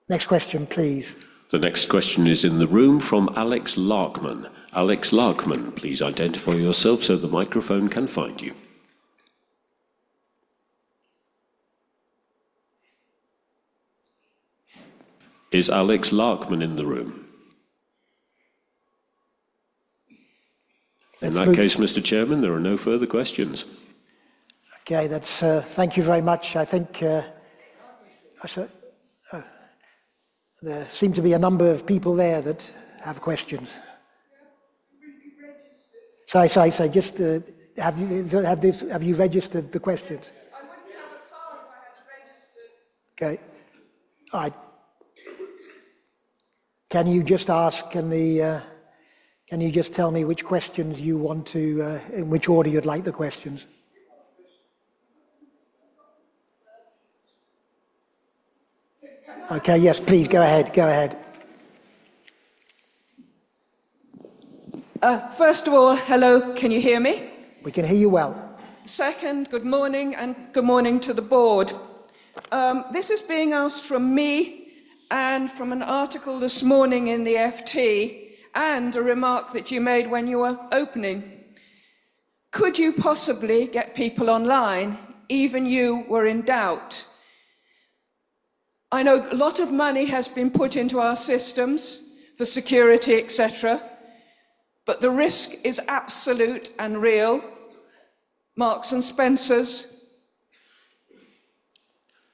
A: Next question, please.
E: The next question is in the room from Alex Larkman. Alex Larkman, please identify yourself so the microphone can find you. Is Alex Larkman in the room? In that case, Mr. Chairman, there are no further questions.
A: Okay, thank you very much. I think there seem to be a number of people there that have questions. Sorry, sorry. Have you registered the questions?
B: I wouldn't have a card if I had registered.
A: Okay. Can you just ask, can you just tell me which questions you want to, in which order you'd like the questions? Okay, yes, please go ahead. Go ahead. First of all, hello. Can you hear me? We can hear you well. Second, good morning and good morning to the board. This is being asked from me and from an article this morning in the FT and a remark that you made when you were opening. Could you possibly get people online even you were in doubt? I know a lot of money has been put into our systems for security, etc., but the risk is absolute and real. Marks and Spencer,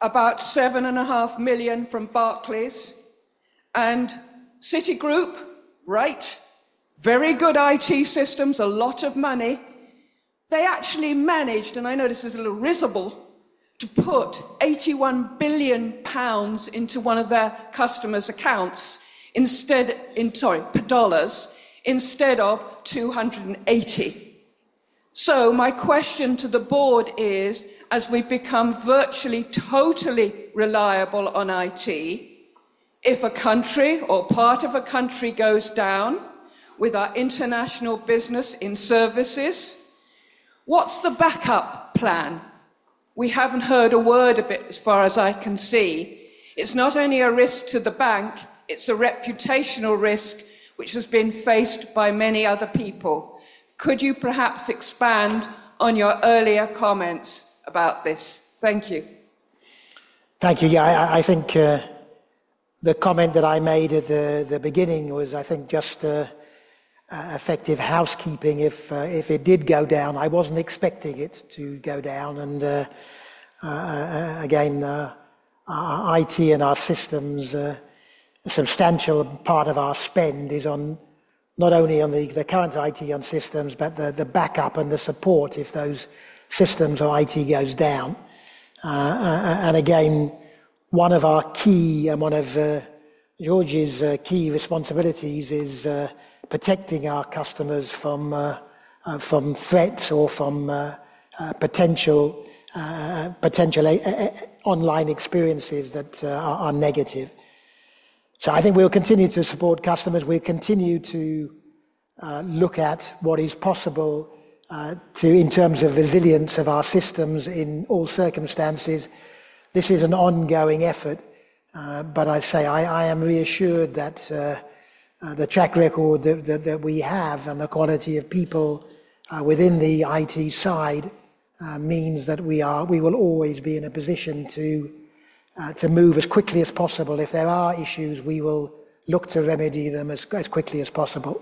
A: about $7.5 million from Barclays. And Citigroup, right, very good IT systems, a lot of money. They actually managed, and I know this is a little risible, to put 81 billion pounds into one of their customers' accounts for dollars instead of 280. So my question to the board is, as we become virtually totally reliable on IT, if a country or part of a country goes down with our international business in services, what's the backup plan? We haven't heard a word of it as far as I can see. It's not only a risk to the bank, it's a reputational risk which has been faced by many other people. Could you perhaps expand on your earlier comments about this? Thank you. Thank you. Yeah, I think the comment that I made at the beginning was, I think, just effective housekeeping if it did go down. I was not expecting it to go down. IT and our systems, a substantial part of our spend is not only on the current IT and systems, but the backup and the support if those systems or IT goes down. One of our key and one of George's key responsibilities is protecting our customers from threats or from potential online experiences that are negative. I think we will continue to support customers. We will continue to look at what is possible in terms of resilience of our systems in all circumstances. This is an ongoing effort, but I say I am reassured that the track record that we have and the quality of people within the IT side means that we will always be in a position to move as quickly as possible. If there are issues, we will look to remedy them as quickly as possible.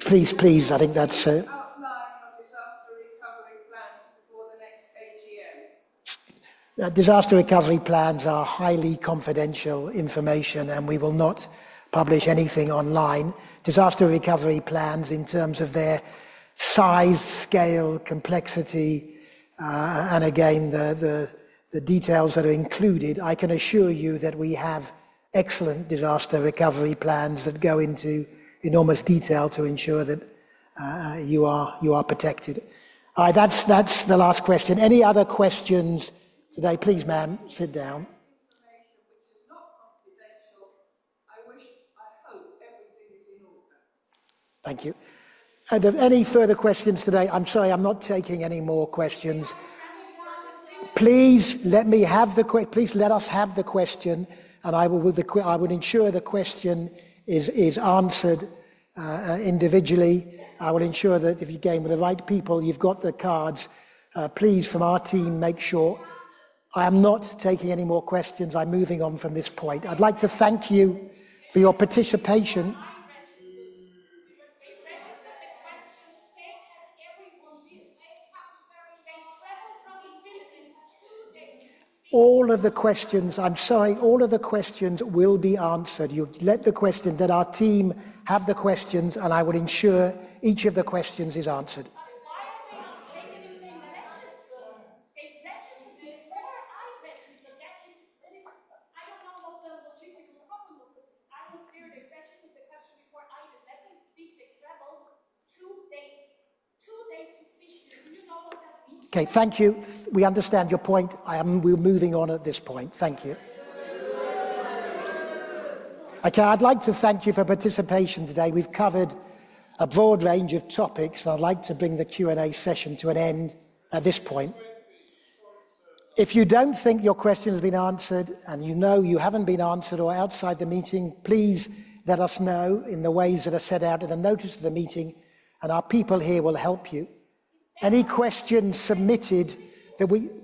A: Please, please, I think that's. Outline of disaster recovery plans before the next AGM. Disaster recovery plans are highly confidential information, and we will not publish anything online. Disaster recovery plans in terms of their size, scale, complexity, and again, the details that are included, I can assure you that we have excellent disaster recovery plans that go into enormous detail to ensure that you are protected. All right, that's the last question. Any other questions today? Please, ma'am, sit down. Information which is not confidential, I hope everything is in order. Thank you. Are there any further questions today? I'm sorry, I'm not taking any more questions. Please let me have the question. Please let us have the question, and I will ensure the question is answered individually. I will ensure that if you came with the right people, you've got the cards. Please, from our team, make sure I am not taking any more questions. I'm moving on from this point. I'd like to thank you for your participation. I registered the questions same as everyone did. All of the questions will be answered. You'll let the question that our team have the questions, and I will ensure each of the questions is answered. Okay, thank you. We understand your point. We're moving on at this point. Thank you. Okay, I'd like to thank you for participation today. We've covered a broad range of topics, and I'd like to bring the Q&A session to an end at this point. If you don't think your question has been answered and you know you haven't been answered or outside the meeting, please let us know in the ways that are set out in the notice for the meeting, and our people here will help you. Any questions submitted,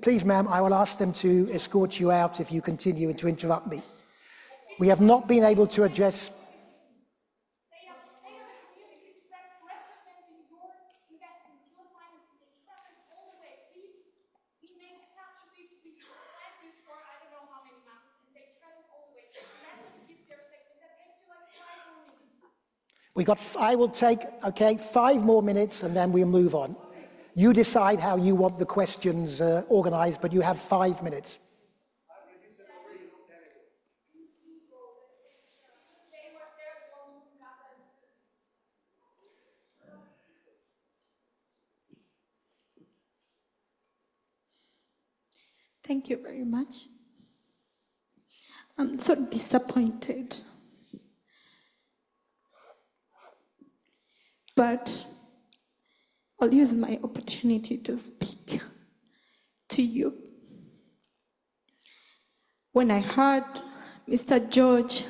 A: please, ma'am, I will ask them to escort you out if you continue to interrupt me. We have not been able to address. They are communities representing your investments, your finances. They travel all the way. We make a contribution to the plan for I don't know how many miles, and they travel all the way. They never give their segment. That takes you like five more minutes. I will take, okay, five more minutes, and then we'll move on. You decide how you want the questions organized, but you have five minutes. Thank you very much. I'm so disappointed, but I'll use my opportunity to speak to you. When I heard Mr. George's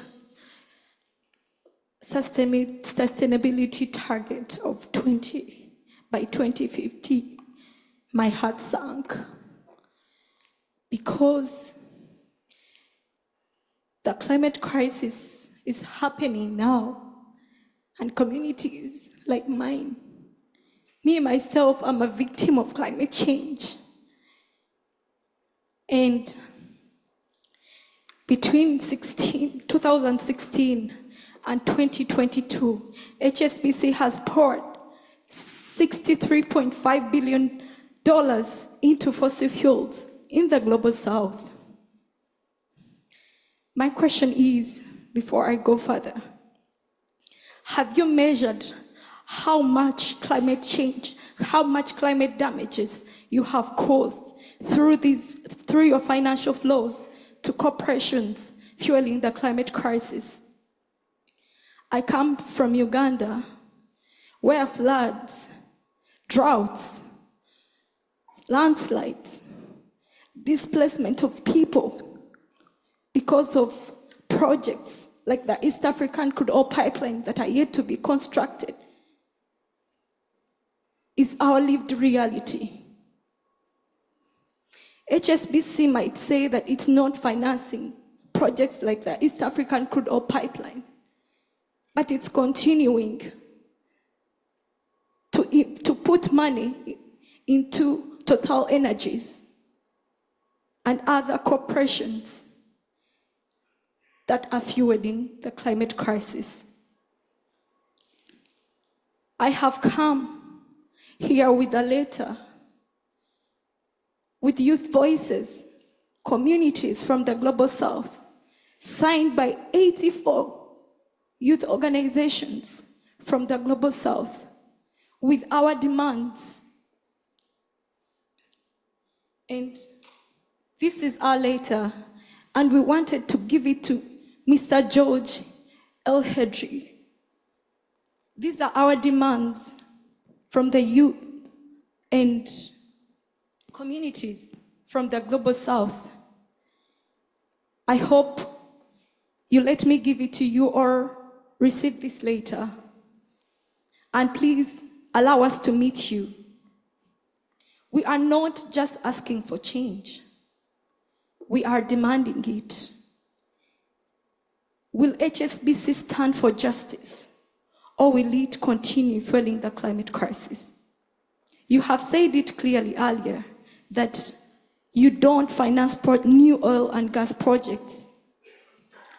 A: sustainability target of 20 by 2050, my heart sank because the climate crisis is happening now and communities like mine. Me myself, I'm a victim of climate change. Between 2016 and 2022, HSBC has poured $63.5 billion into fossil fuels in the Global South. My question is, before I go further, have you measured how much climate change, how much climate damages you have caused through your financial flows to corporations fueling the climate crisis? I come from Uganda, where floods, droughts, landslides, displacement of people because of projects like the East African Crude Oil Pipeline that are yet to be constructed is our lived reality. HSBC might say that it's not financing projects like the East African Crude Oil Pipeline, but it's continuing to put money into TotalEnergies and other corporations that are fueling the climate crisis. I have come here with a letter with youth voices, communities from the Global South, signed by 84 youth organizations from the Global South with our demands. This is our letter, and we wanted to give it to Mr. Georges Elhedery. These are our demands from the youth and communities from the Global South. I hope you let me give it to you or receive this letter, and please allow us to meet you. We are not just asking for change. We are demanding it. Will HSBC stand for justice, or will it continue fueling the climate crisis? You have said it clearly earlier that you don't finance new oil and gas projects,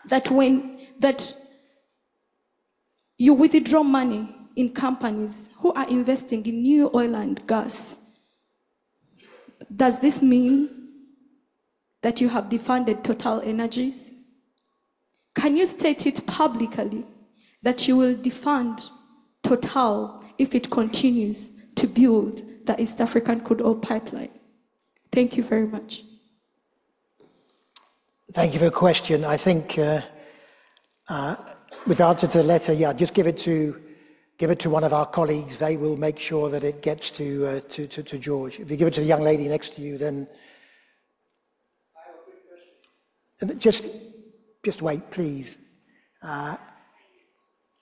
A: that you withdraw money in companies who are investing in new oil and gas. Does this mean that you have defunded TotalEnergies? Can you state it publicly that you will defund Total if it continues to build the East African Crude Oil Pipeline? Thank you very much. Thank you for your question. I think without a letter, yeah, just give it to one of our colleagues. They will make sure that it gets to Georges. If you give it to the young lady next to you, then. I have a quick question. Just wait, please.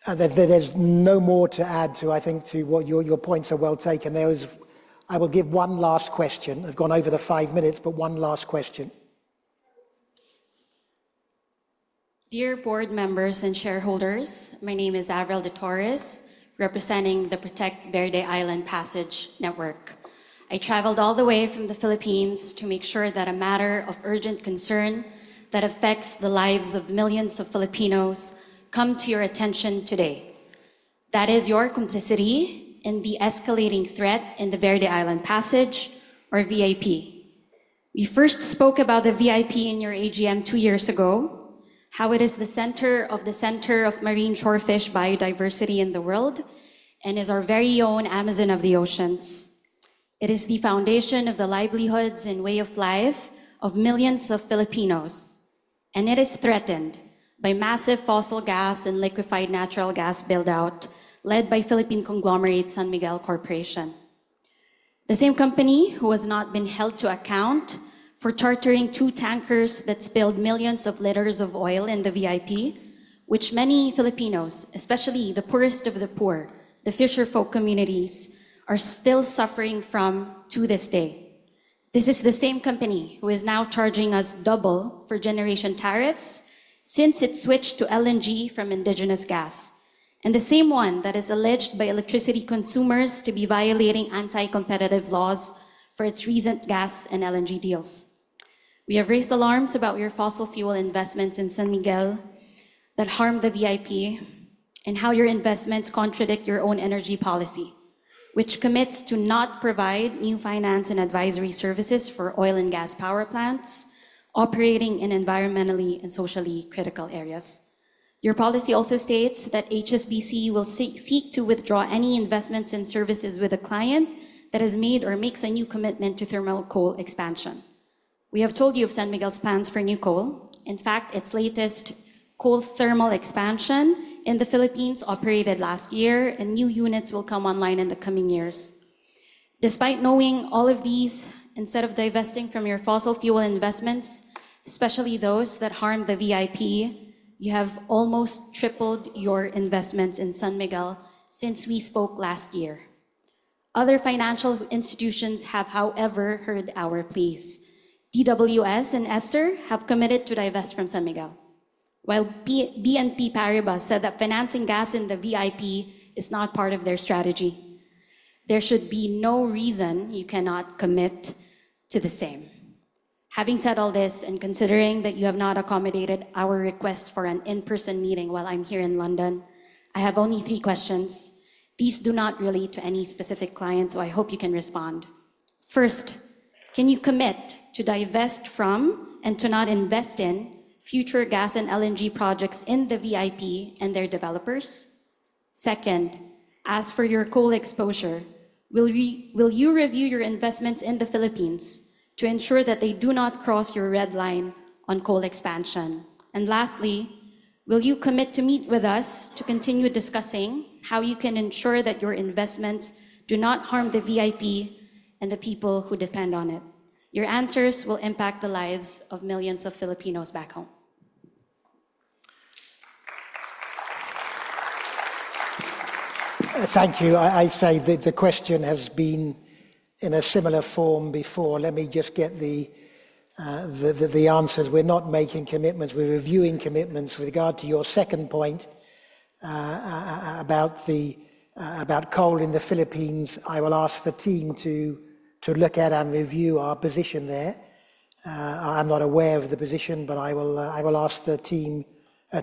A: There is no more to add, I think, to your points. They are well taken. I will give one last question. I have gone over the five minutes, but one last question. Dear board members and shareholders, my name is Avril Dutores, representing the Protect Verde Island Passage Network. I traveled all the way from the Philippines to make sure that a matter of urgent concern that affects the lives of millions of Filipinos comes to your attention today. That is your complicity in the escalating threat in the Verde Island Passage, or VIP. We first spoke about the VIP in your AGM two years ago, how it is the center of the center of marine shorefish biodiversity in the world and is our very own Amazon of the oceans. It is the foundation of the livelihoods and way of life of millions of Filipinos, and it is threatened by massive fossil gas and liquefied natural gas buildout led by Philippine conglomerate San Miguel Corporation. The same company who has not been held to account for chartering two tankers that spilled millions of liters of oil in the VIP, which many Filipinos, especially the poorest of the poor, the fisherfolk communities, are still suffering from to this day. This is the same company who is now charging us double for generation tariffs since it switched to LNG from indigenous gas, and the same one that is alleged by electricity consumers to be violating anti-competitive laws for its recent gas and LNG deals. We have raised alarms about your fossil fuel investments in San Miguel that harm the VIP and how your investments contradict your own energy policy, which commits to not provide new finance and advisory services for oil and gas power plants operating in environmentally and socially critical areas. Your policy also states that HSBC will seek to withdraw any investments and services with a client that has made or makes a new commitment to thermal coal expansion. We have told you of San Miguel's plans for new coal. In fact, its latest coal thermal expansion in the Philippines operated last year, and new units will come online in the coming years. Despite knowing all of these, instead of divesting from your fossil fuel investments, especially those that harm the VIP, you have almost tripled your investments in San Miguel since we spoke last year. Other financial institutions have, however, heard our pleas. DWS and Société Générale have committed to divest from San Miguel, while BNP Paribas said that financing gas in the VIP is not part of their strategy. There should be no reason you cannot commit to the same. Having said all this and considering that you have not accommodated our request for an in-person meeting while I'm here in London, I have only three questions. These do not relate to any specific client, so I hope you can respond. First, can you commit to divest from and to not invest in future gas and LNG projects in the VIP and their developers? Second, as for your coal exposure, will you review your investments in the Philippines to ensure that they do not cross your red line on coal expansion? Lastly, will you commit to meet with us to continue discussing how you can ensure that your investments do not harm the VIP and the people who depend on it? Your answers will impact the lives of millions of Filipinos back home. Thank you. I say the question has been in a similar form before. Let me just get the answers. We're not making commitments. We're reviewing commitments with regard to your second point about coal in the Philippines. I will ask the team to look at and review our position there. I'm not aware of the position, but I will ask the team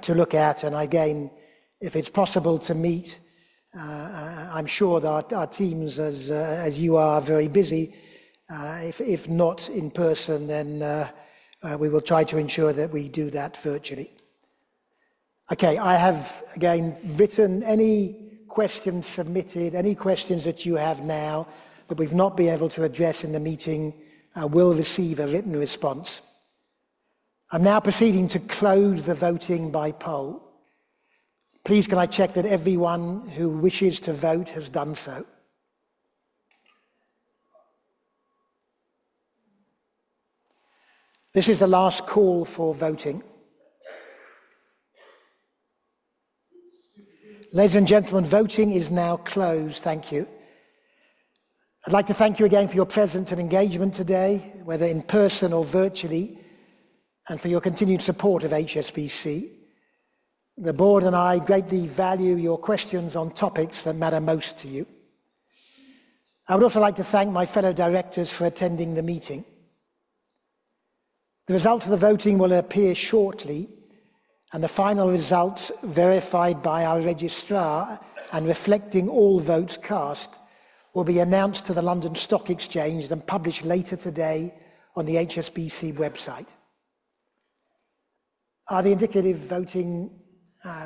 A: to look at and again, if it's possible to meet, I'm sure our teams, as you are, are very busy. If not in person, then we will try to ensure that we do that virtually. Okay, I have again written any questions submitted, any questions that you have now that we've not been able to address in the meeting will receive a written response. I'm now proceeding to close the voting by poll. Please, can I check that everyone who wishes to vote has done so? This is the last call for voting. Ladies and gentlemen, voting is now closed. Thank you. I'd like to thank you again for your presence and engagement today, whether in person or virtually, and for your continued support of HSBC. The board and I greatly value your questions on topics that matter most to you. I would also like to thank my fellow directors for attending the meeting. The results of the voting will appear shortly, and the final results verified by our registrar and reflecting all votes cast will be announced to the London Stock Exchange and published later today on the HSBC website. Are the indicative voting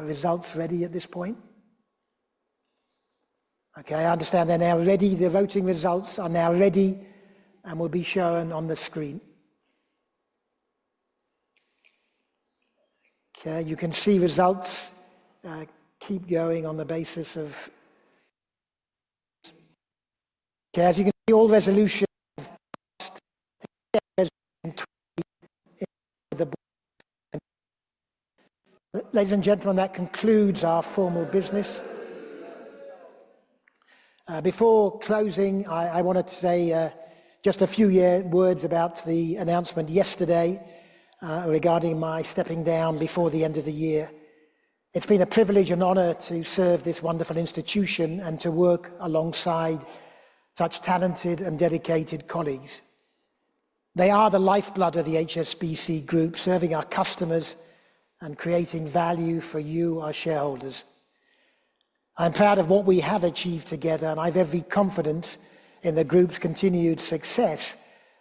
A: results ready at this point? Okay, I understand they're now ready. The voting results are now ready and will be shown on the screen. Okay, you can see results keep going on the basis of. Okay, as you can see, all resolutions have passed. Ladies and gentlemen, that concludes our formal business. Before closing, I wanted to say just a few words about the announcement yesterday regarding my stepping down before the end of the year. It's been a privilege and honor to serve this wonderful institution and to work alongside such talented and dedicated colleagues. They are the lifeblood of the HSBC Group, serving our customers and creating value for you, our shareholders. I'm proud of what we have achieved together, and I have every confidence in the group's continued success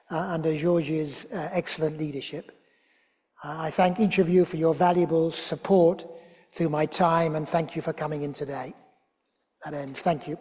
A: under Georges' excellent leadership. I thank each of you for your valuable support through my time, and thank you for coming in today. That ends. Thank you.